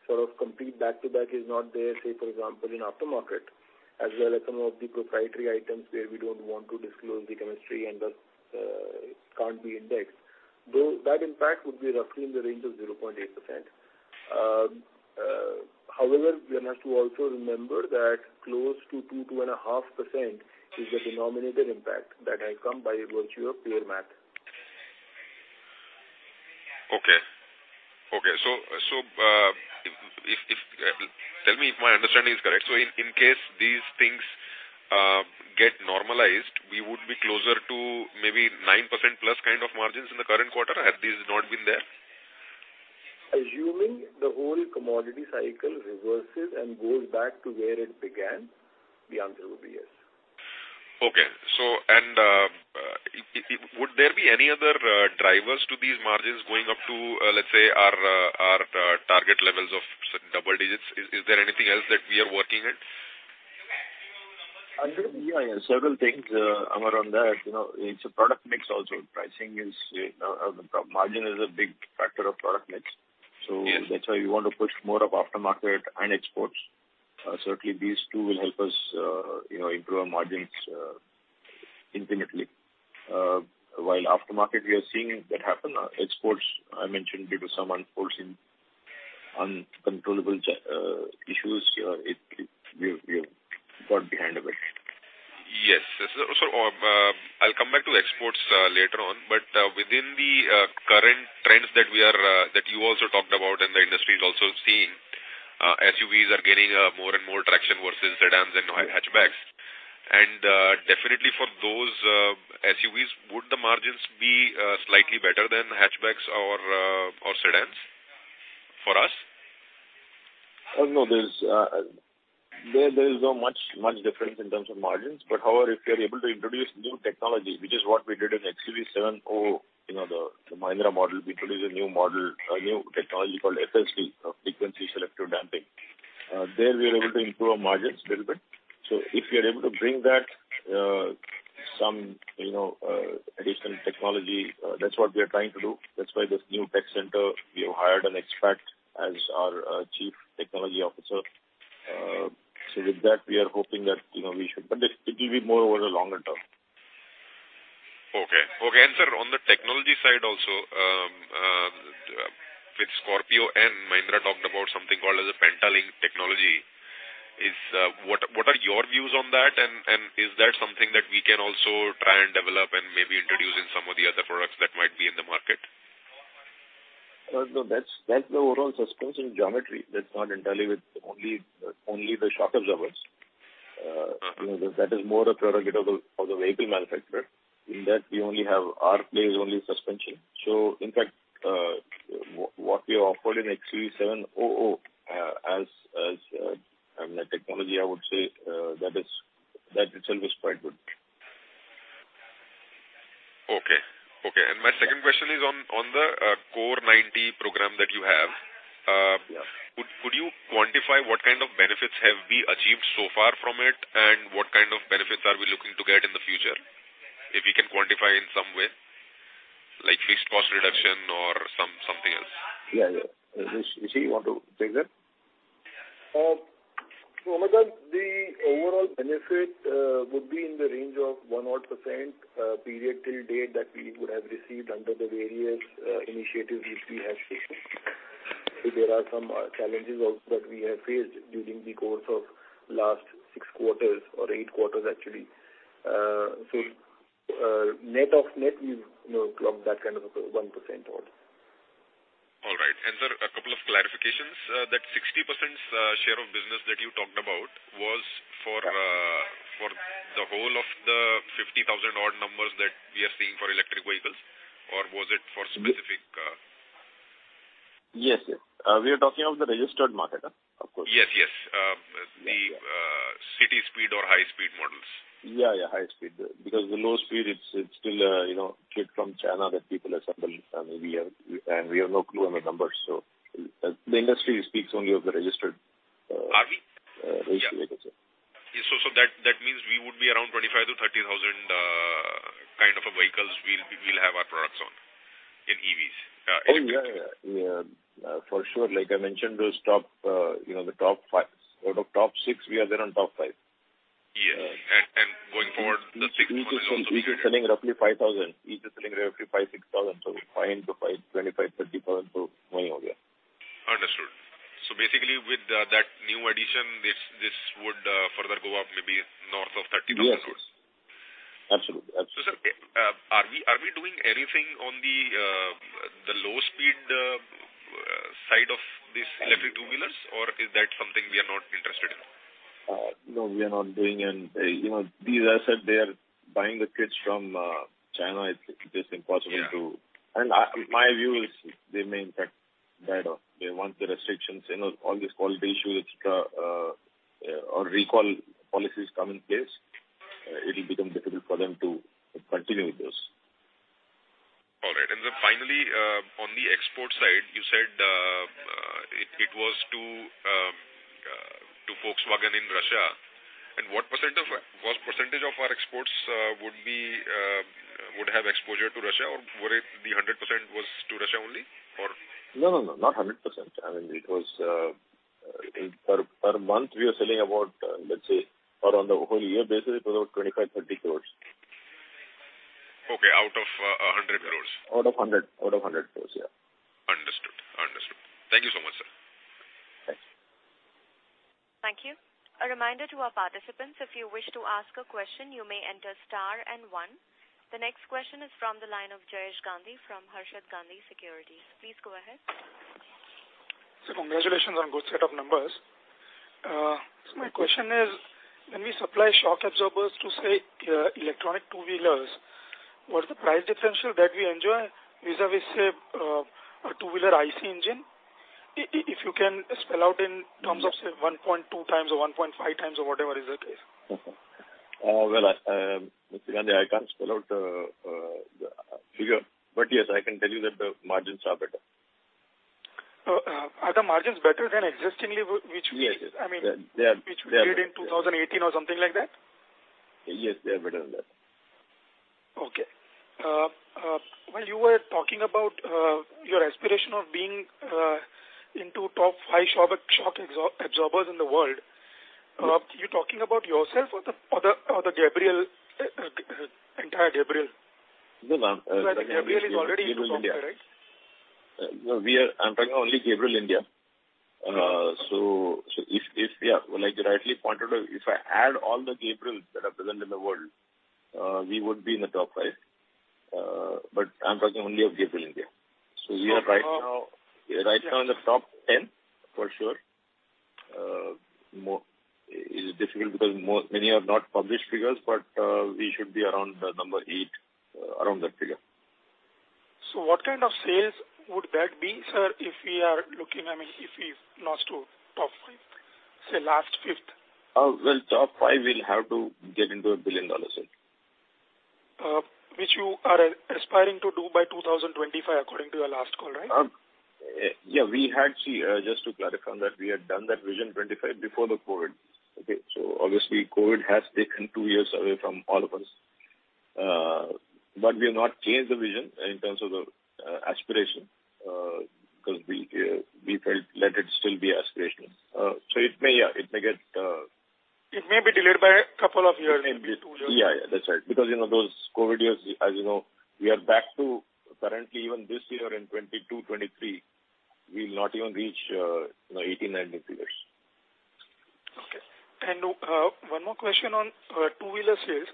sort of complete back-to-back is not there, say, for example, in aftermarket, as well as some of the proprietary items where we don't want to disclose the chemistry and can't be indexed, though that impact would be roughly in the range of 0.8%. However, we have to also remember that close to 2%-2.5% is the denominated impact that has come by virtue of pure math. Okay. So, tell me if my understanding is correct. So in case these things get normalized, we would be closer to maybe 9%+ kind of margins in the current quarter, had this not been there? Assuming the whole commodity cycle reverses and goes back to where it began, the answer will be yes. Okay. So, would there be any other drivers to these margins going up to, let's say, our target levels of double digits? Is there anything else that we are working at? I think, yeah, yeah, several things, Amar, on that. You know, it's a product mix also. Pricing is, margin is a big factor of product mix. Yes. That's why we want to push more of aftermarket and exports. Certainly, these two will help us, you know, improve our margins, infinitely. While aftermarket, we are seeing that happen, exports, I mentioned due to some unforeseen uncontrollable issues, we've got behind a bit. Yes. So, I'll come back to exports later on. But, within the current trends that you also talked about and the industry is also seeing, SUVs are gaining more and more traction versus sedans and hatchbacks. And, definitely for those SUVs, would the margins be slightly better than hatchbacks or sedans for us? No, there's no much difference in terms of margins. But however, if we are able to introduce new technology, which is what we did in XUV700, you know, the Mahindra model, we introduced a new model, a new technology called FSD, or Frequency Selective Damping. There, we are able to improve our margins little bit. So if we are able to bring that, some, you know, additional technology, that's what we are trying to do. That's why this new tech center, we have hired an expert as our chief technology officer. So with that, we are hoping that, you know, we should... But it will be more over the longer term. Okay. Okay, and, sir, on the technology side also, with Scorpio and Mahindra talked about something called as a Pentalink technology, is, what are your views on that? And, is that something that we can also try and develop and maybe introduce in some of the other products that might be in the market? No, that's the overall suspension geometry. That's not entirely with only, only the shock absorbers. You know, that is more a prerogative of the vehicle manufacturer. In that, we only have our play is only suspension. So in fact, what we offered in XUV700, as a technology, I would say, that itself is quite good. Okay. Okay. My second question is on the Core 90 program that you have? Yes. Could you quantify what kind of benefits have we achieved so far from it, and what kind of benefits are we looking to get in the future? If you can quantify in some way, like fixed cost reduction or something else. Yeah, yeah. Rishi, you want to take that? So, Mohammed, the overall benefit would be in the range of 1 odd percent period till date that we would have received under the various initiatives which we have taken. There are some challenges also that we have faced during the course of last six quarters or eight quarters, actually. So, net of net, we've, you know, clocked that kind of a 1% odd. All right. And, sir, a couple of clarifications. That 60% share of business that you talked about was for the whole of the 50,000-odd numbers that we are seeing for electric vehicles, or was it for specific? Yes, yes. We are talking of the registered market, of course. Yes, yes. The city speed or high speed models. Yeah, yeah, high speed. Because the low speed, it's still, you know, kit from China that people assemble, and we are and we have no clue on the numbers. So the industry speaks only of the registered, Are we? Yeah. So that means we would be around 25,000-30,000 kind of a vehicles we'll have our products on in EVs in India. Oh, yeah, yeah. Yeah, for sure. Like I mentioned, those top, you know, the top five... Out of top six, we are there on top five. Yeah. And going forward, the sixth one is also- Each is selling roughly 5,000. Each is selling roughly 5,000-6,000. So 5,000 into 5,000, 25,000, 30,000, so way over. Understood. So basically, with that new addition, this, this would further go up maybe north of 30,000 crore? Yes. Absolutely. Absolutely. So, sir, are we doing anything on the low speed side of this electric two-wheelers, or is that something we are not interested in? No, we are not doing anything. You know, these, as I said, they are buying the kits from, China. It's just impossible to- Yeah. I, my view is they may in fact die off. They want the restrictions. You know, all these quality issues, or recall policies come in place, it'll become difficult for them to continue with this. All right. And then finally, on the export side, you said it was to Volkswagen in Russia. And what percent of... what percentage of our exports would have exposure to Russia, or would it be 100% to Russia only, or? No, no, no, not 100%. I mean, it was per month, we are selling about, let's say, or on the whole year basis, about 25 crore-30 crore. Okay, out of 100 crore? Out of 100, out of 100 crore, yeah. Understood. Understood. Thank you so much, sir. Thanks. Thank you. A reminder to our participants, if you wish to ask a question, you may enter star and one. The next question is from the line of Jayesh Gandhi from Harshad Gandhi Securities. Please go ahead. So congratulations on good set of numbers. My question is, when we supply shock absorbers to, say, electric two-wheelers, what's the price differential that we enjoy vis-à-vis a two-wheeler IC engine? If you can spell out in terms of, say, 1.2x or 1.5x or whatever is the case. Mm-hmm. Well, Mr. Gandhi, I can't spell out the figure, but yes, I can tell you that the margins are better. are the margins better than existing level, which we- Yes. I mean, which we did in 2018 or something like that? Yes, they are better than that. Okay. When you were talking about your aspiration of being into top five shock absorbers in the world, you talking about yourself or the entire Gabriel? No, ma'am. Gabriel is already in the top five, right? I'm talking only Gabriel India. So if... Yeah, like you rightly pointed out, if I add all the Gabriels that are present in the world, we would be in the top five. But I'm talking only of Gabriel India. So we are right now, right now in the top ten, for sure. More... It is difficult because many have not published figures, but we should be around the number eight, around that figure. What kind of sales would that be, sir, if we are looking, I mean, if we rise to top five, say, last fifth? Well, top five will have to get into a billion-dollar sale. which you are aspiring to do by 2025, according to your last call, right? Yeah, we had... See, just to clarify on that, we had done that Vision 25 before COVID, okay? So obviously, COVID has taken two years away from all of us. But we have not changed the vision in terms of the aspiration, because we felt let it still be aspirational. So it may, yeah, it may get... It may be delayed by a couple of years, maybe two years. Yeah, yeah, that's right. Because, you know, those COVID years, as you know, we are back to currently, even this year in 2022, 2023, we'll not even reach, you know, 2018, 2019 figures. Okay. One more question on two-wheeler sales.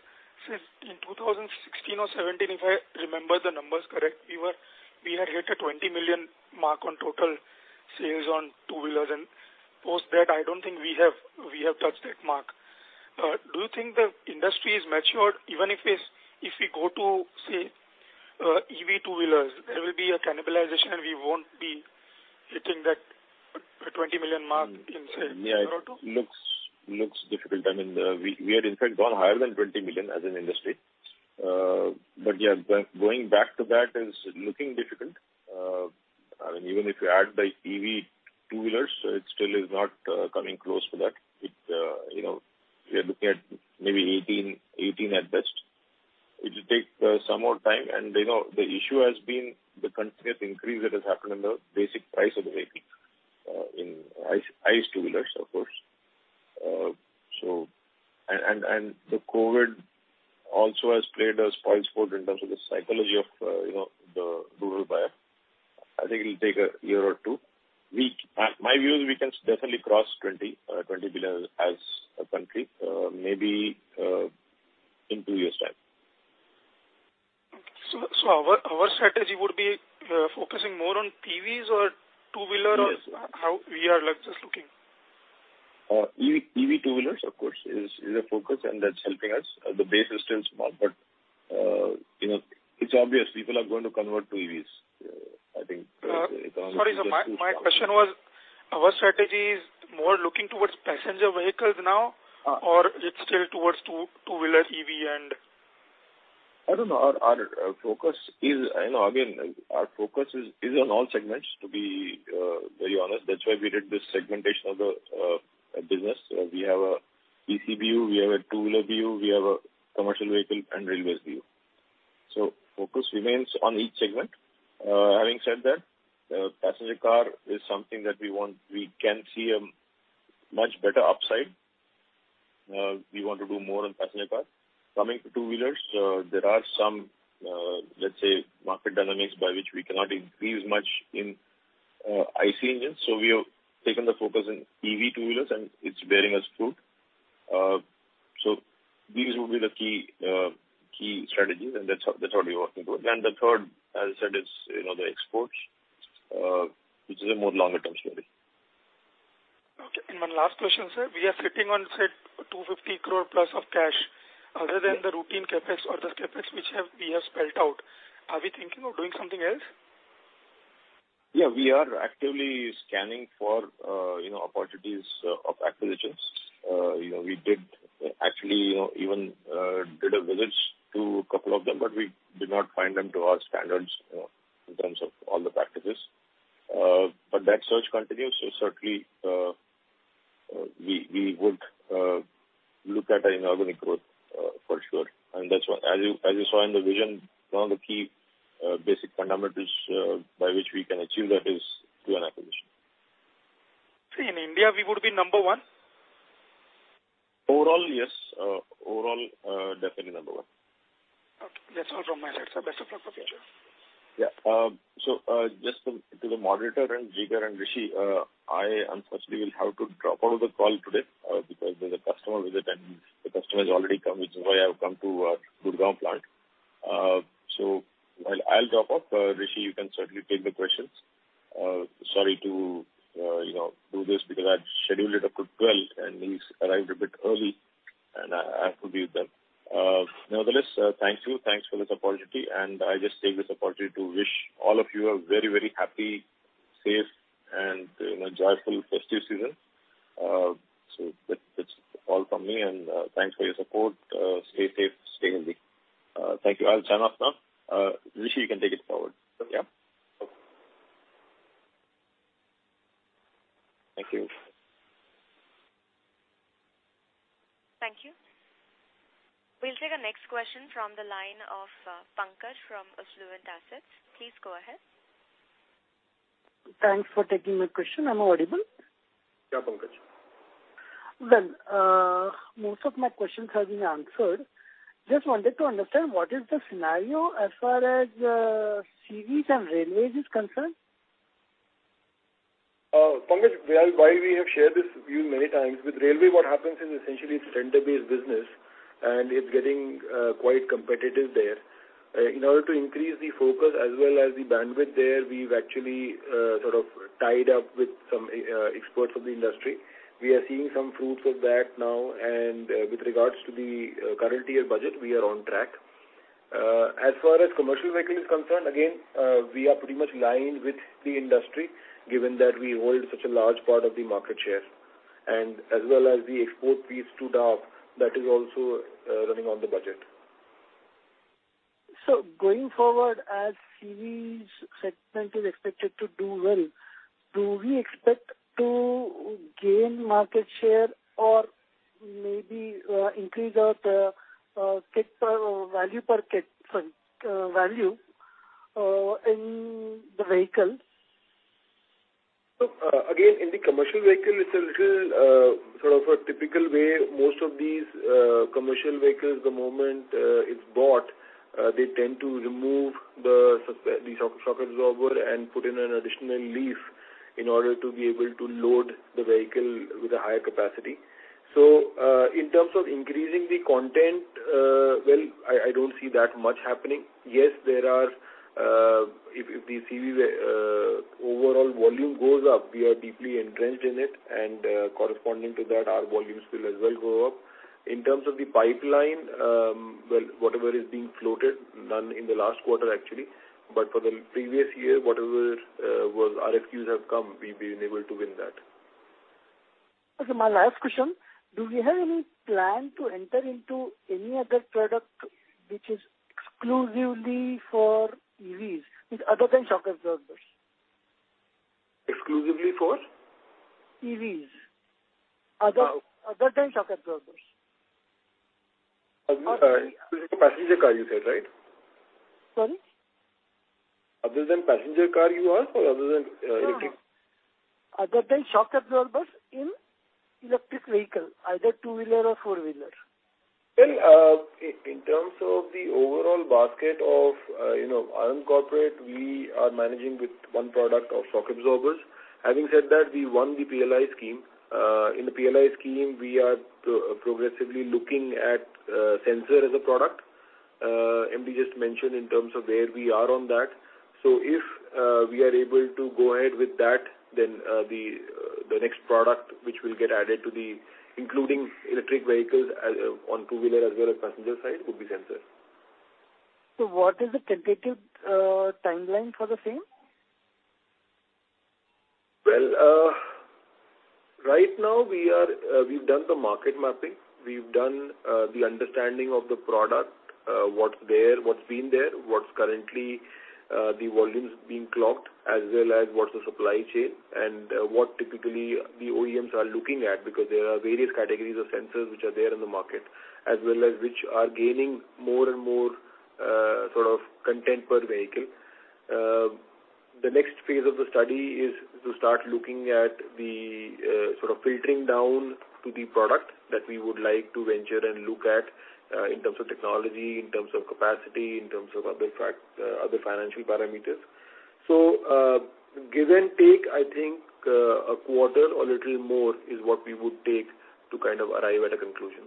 Since in 2016 or 2017, if I remember the numbers correct, we had hit a 20 million mark on total sales on two-wheelers, and post that, I don't think we have touched that mark. Do you think the industry is matured, even if it's, if we go to, say, EV two-wheelers, there will be a cannibalization, and we won't be hitting that, the 20 million mark in, say, a year or two? Yeah, it looks difficult. I mean, we had in fact gone higher than 20 million as an industry. But yeah, going back to that is looking difficult. I mean, even if you add the EV two-wheelers, it still is not coming close to that. We are looking at maybe 18, 18 at best. It will take some more time, and, you know, the issue has been the continuous increase that has happened in the basic price of the vehicle in ICE two-wheelers, of course. So and, and, and the COVID also has played a spoilsport in terms of the psychology of, you know, the rural buyer. I think it'll take a year or two. We, my view is we can definitely cross 20, 20 billion as a country, maybe in two years' time. So, our strategy would be focusing more on TVS or two-wheeler- Yes. Or how we are, like, just looking? EV, EV two-wheelers, of course, is a focus, and that's helping us. The base is still small, but, you know, it's obvious people are going to convert to EVs. I think economic- Sorry, sir, my question was, our strategy is more looking towards passenger vehicles now- Uh. Or it's still towards two-wheeler EV and? I don't know. Our focus is... I know, again, our focus is on all segments, to be very honest. That's why we did this segmentation of the business. We have an EV view, we have a two-wheeler view, we have a commercial vehicle and railways view. So focus remains on each segment. Having said that, passenger car is something that we want. We can see a much better upside. We want to do more on passenger cars. Coming to two-wheelers, there are some, let's say, market dynamics by which we cannot increase much in IC engines, so we have taken the focus in EV two-wheelers, and it's bearing us fruit. So these would be the key key strategies, and that's what we're working towards. The third, as I said, is, you know, the exports, which is a more longer-term strategy. Okay, and one last question, sir. We are sitting on, say, 250 crore plus of cash. Other than the routine CapEx or the CapEx which have, we have spelled out, are we thinking of doing something else? Yeah, we are actively scanning for, you know, opportunities of acquisitions. You know, we did actually, you know, even did a visits to a couple of them, but we did not find them to our standards in terms of all the packages. But that search continues, so certainly, we would look at an organic growth for sure. And that's why... As you, as you saw in the vision, one of the key basic fundamentals by which we can achieve that is through an acquisition. See, in India, we would be number one? Overall, yes. Overall, definitely number one. Okay. That's all from my side, sir. Best of luck for future. Yeah. So, just to the moderator and Jigar and Rishi, I unfortunately will have to drop out of the call today, because there's a customer visit, and the customer has already come, which is why I have come to Gurgaon plant. So I'll drop off. Rishi, you can certainly take the questions. Sorry to you know, do this because I had scheduled it up to 12, and he's arrived a bit early, and I have to leave them. Nevertheless, thank you. Thanks for this opportunity, and I just take this opportunity to wish all of you a very, very happy, safe, and, you know, joyful festive season. So that's all from me, and thanks for your support. Stay safe, stay healthy. Thank you. I'll turn off now. Rishi, you can take it forward. Yeah. Thank you. Thankyou. We'll take the next question from the line of, Pankaj from Affluent Assets. Please go ahead. Thanks for taking my question. Am I audible? Yeah, Pankaj. Well, most of my questions have been answered. Just wanted to understand, what is the scenario as far as, CVs and railways is concerned? Pankaj, well, while we have shared this view many times. With railway, what happens is essentially it's tender-based business, and it's getting quite competitive there. In order to increase the focus as well as the bandwidth there, we've actually sort of tied up with some experts of the industry. We are seeing some fruits of that now, and with regards to the current year budget, we are on track. As far as commercial vehicle is concerned, again, we are pretty much aligned with the industry, given that we hold such a large part of the market share, and as well as the export piece to DAF, that is also running on the budget. So going forward, as CVs segment is expected to do well, do we expect to gain market share or maybe, increase our, kit per, or value per kit, sorry, value, in the vehicles? So, again, in the commercial vehicle, it's a little sort of a typical way. Most of these commercial vehicles, the moment it's bought, they tend to remove the shock absorber and put in an additional leaf in order to be able to load the vehicle with a higher capacity. So, in terms of increasing the content, well, I don't see that much happening. Yes, there are, if the CV overall volume goes up, we are deeply entrenched in it, and corresponding to that, our volumes will as well go up. In terms of the pipeline, well, whatever is being floated, none in the last quarter, actually, but for the previous year, whatever was RFQs have come, we've been able to win that. Okay, my last question: Do we have any plan to enter into any other product which is exclusively for EVs, other than shock absorbers?... Exclusively for? EVs, other, other than shock absorbers. Passenger car, you said, right? Sorry? Other than passenger car, you asked, or other than electric? Other than shock absorbers in electric vehicle, either two-wheeler or four-wheeler. Well, in terms of the overall basket of, you know, ANAND Corporate, we are managing with one product of shock absorbers. Having said that, we won the PLI scheme. In the PLI scheme, we are progressively looking at, sensor as a product, and we just mentioned in terms of where we are on that. So if we are able to go ahead with that, then, the next product, which will get added to the, including electric vehicles as, on two-wheeler, as well as passenger side, would be sensor. What is the tentative timeline for the same? Well, right now, we are, we've done the market mapping. We've done, the understanding of the product, what's there, what's been there, what's currently, the volumes being clocked, as well as what's the supply chain, and, what typically the OEMs are looking at, because there are various categories of sensors which are there in the market, as well as which are gaining more and more, sort of content per vehicle. The next phase of the study is to start looking at the, sort of filtering down to the product that we would like to venture and look at, in terms of technology, in terms of capacity, in terms of other fact, other financial parameters. So, give and take, I think, a quarter or little more is what we would take to kind of arrive at a conclusion.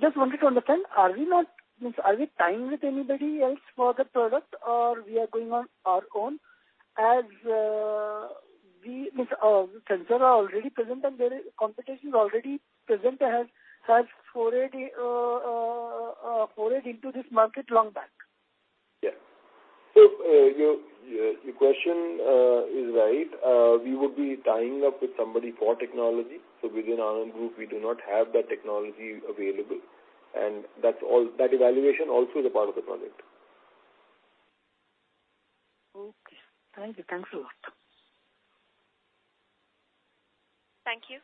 Just wanted to understand, are we not—I mean, are we tying with anybody else for the product, or are we going on our own? As we—I mean, sensors are already present and there is competition already present and has forayed into this market long back. Yeah. Your question is right. We would be tying up with somebody for technology. Within our own group, we do not have that technology available, and that's all. That evaluation also is a part of the project. Okay. Thank you. Thanks a lot. Thank you.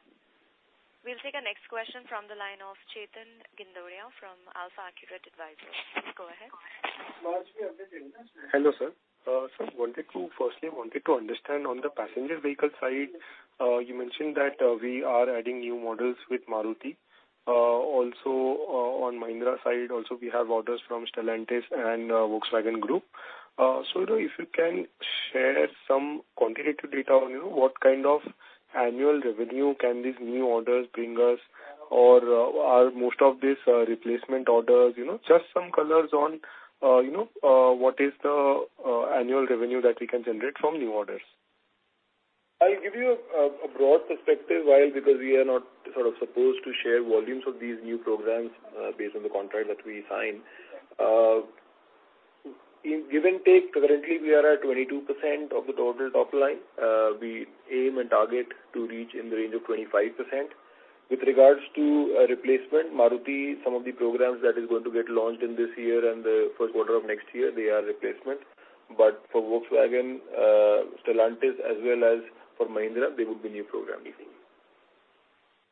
We'll take our next question from the line of Chetan Gindodia from AlfAccurate Advisors. Go ahead. Hello, sir. So wanted to, firstly, I wanted to understand on the passenger vehicle side, you mentioned that we are adding new models with Maruti. Also, on Mahindra side, also, we have orders from Stellantis and Volkswagen Group. So if you can share some quantitative data on, you know, what kind of annual revenue can these new orders bring us? Or, are most of these replacement orders, you know, just some colors on, you know, what is the annual revenue that we can generate from new orders. I'll give you a broad perspective, while because we are not sort of supposed to share volumes of these new programs, based on the contract that we sign. In give and take, currently, we are at 22% of the total top line. We aim and target to reach in the range of 25%. With regards to replacement, Maruti, some of the programs that is going to get launched in this year and the first quarter of next year, they are replacement. But for Volkswagen, Stellantis, as well as for Mahindra, they would be new programming.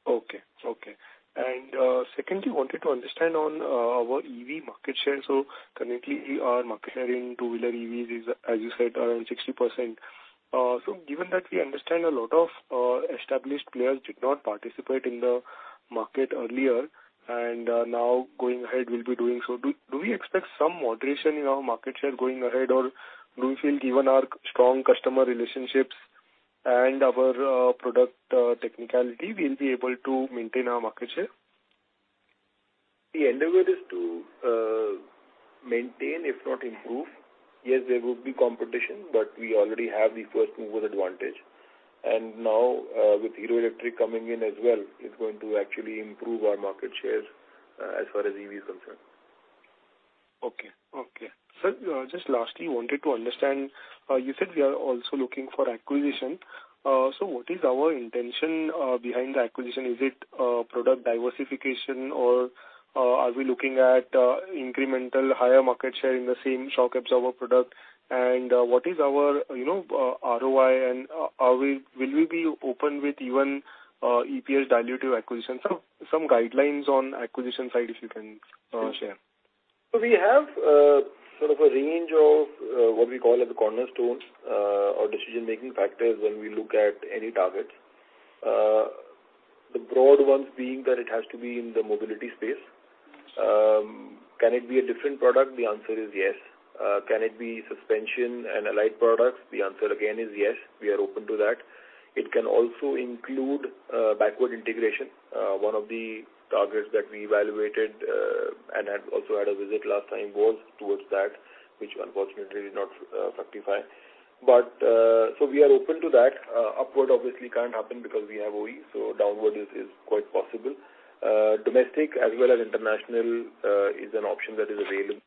Okay. Okay. And secondly, wanted to understand on our EV market share. So currently, our market share in two-wheeler EVs is, as you said, around 60%. So given that we understand a lot of established players did not participate in the market earlier, and now going ahead, we'll be doing so. Do we expect some moderation in our market share going ahead, or do we feel given our strong customer relationships and our product technicality, we'll be able to maintain our market share? The endeavor is to maintain, if not improve. Yes, there will be competition, but we already have the first mover advantage. And now, with Hero Electric coming in as well, it's going to actually improve our market shares, as far as EV is concerned. Okay. Okay. Sir, just lastly, wanted to understand, you said we are also looking for acquisition. So what is our intention behind the acquisition? Is it product diversification, or are we looking at incremental higher market share in the same shock absorber product? And what is our, you know, ROI, and will we be open with even EPS dilutive acquisition? So some guidelines on acquisition side, if you can share. So we have sort of a range of what we call as the cornerstones or decision-making factors when we look at any targets. The broad ones being that it has to be in the mobility space. Can it be a different product? The answer is yes. Can it be suspension and allied products? The answer again is yes, we are open to that. It can also include backward integration. One of the targets that we evaluated and had also had a visit last time was towards that, which unfortunately did not fructify. But so we are open to that. Upward obviously can't happen because we have OE, so downward is quite possible. Domestic as well as international is an option that is available.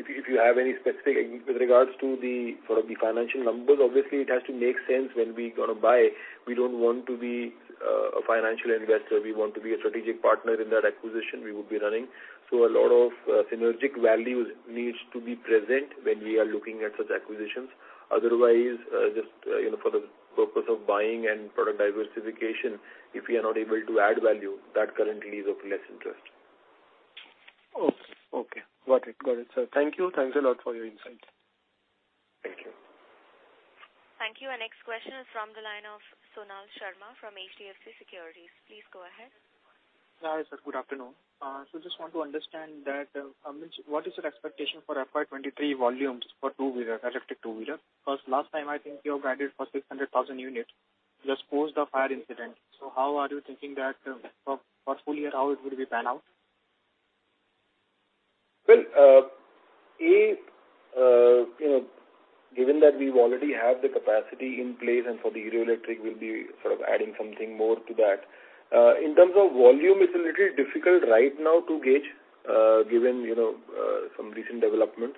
If you have any specific with regards to the sort of financial numbers, obviously it has to make sense when we gonna buy. We don't want to be a financial investor. We want to be a strategic partner in that acquisition we will be running. So a lot of synergistic values needs to be present when we are looking at such acquisitions. Otherwise, just, you know, for the purpose of buying and product diversification, if we are not able to add value, that currently is of less interest. Okay. Got it. Got it, sir. Thank you. Thanks a lot for your insight. Thank you. Thank you. Our next question is from the line of Sonaal Sharma from HDFC Securities. Please go ahead. Hi, sir. Good afternoon. So just want to understand that, I mean, what is your expectation for FY 2023 volumes for two-wheeler, electric two-wheeler? Because last time, I think you have guided for 600,000 units, just post the fire incident. So how are you thinking that, for, for full year, how it will pan out? Well, A, you know, given that we already have the capacity in place and for the electric, we'll be sort of adding something more to that. In terms of volume, it's a little difficult right now to gauge, given, you know, some recent developments.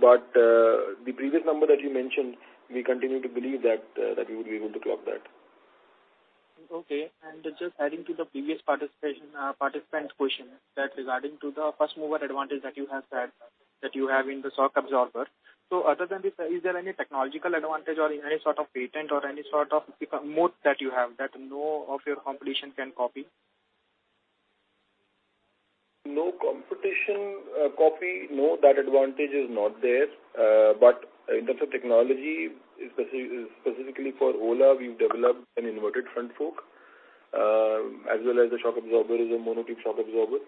But, the previous number that you mentioned, we continue to believe that, that we will be able to clock that. Okay. And just adding to the previous participation, participant question, that regarding to the first mover advantage that you have said, that you have in the shock absorber. So other than this, is there any technological advantage or any sort of patent or any sort of moat that you have, that no of your competition can copy? No competition, copy. No, that advantage is not there. But in terms of technology, specifically for Ola, we've developed an inverted front fork, as well as the shock absorber is a monotube shock absorber.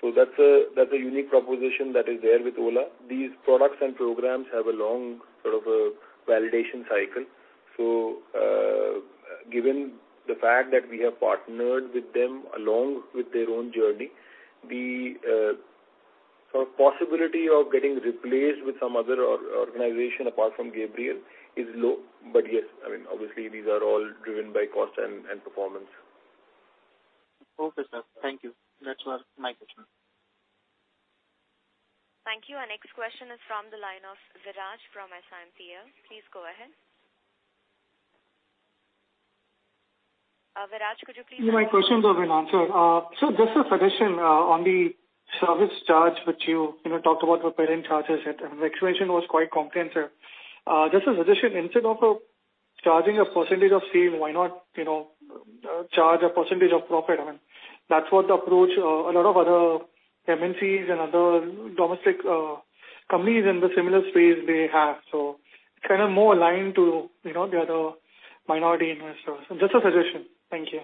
So that's a unique proposition that is there with Ola. These products and programs have a long sort of a validation cycle. So, given the fact that we have partnered with them along with their own journey, the sort of possibility of getting replaced with some other organization apart from Gabriel is low. But yes, I mean, obviously, these are all driven by cost and performance. Okay, sir. Thank you. That was my question. Thank you. Our next question is from the line of Viraj from SiMPL. Please go ahead. Viraj, could you please- My question has been answered. So just a suggestion on the service charge, which you, you know, talked about the parent charges, and the explanation was quite comprehensive. Just a suggestion, instead of charging a percentage of sale, why not, you know, charge a percentage of profit? I mean, that's what the approach a lot of other MNCs and other domestic companies in the similar space they have. So it's kind of more aligned to, you know, the other minority investors. So just a suggestion. Thank you.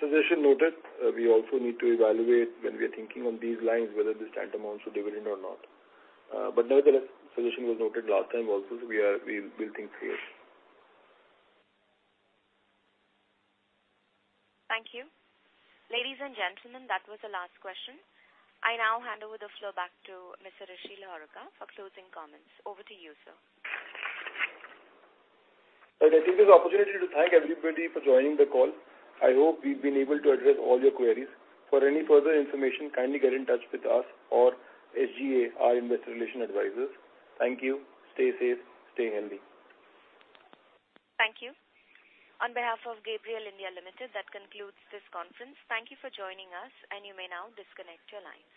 Suggestion noted. We also need to evaluate when we are thinking on these lines, whether this tantamount to dividend or not. But nevertheless, suggestion was noted last time also, so we are, we'll think through it. Thank you. Ladies and gentlemen, that was the last question. I now hand over the floor back to Mr. Rishi Luharuka for closing comments. Over to you, sir. I'd like to take this opportunity to thank everybody for joining the call. I hope we've been able to address all your queries. For any further information, kindly get in touch with us or SGA, our investor relations advisors. Thank you. Stay safe. Stay healthy. Thank you. On behalf of Gabriel India Limited, that concludes this conference. Thank you for joining us, and you may now disconnect your line.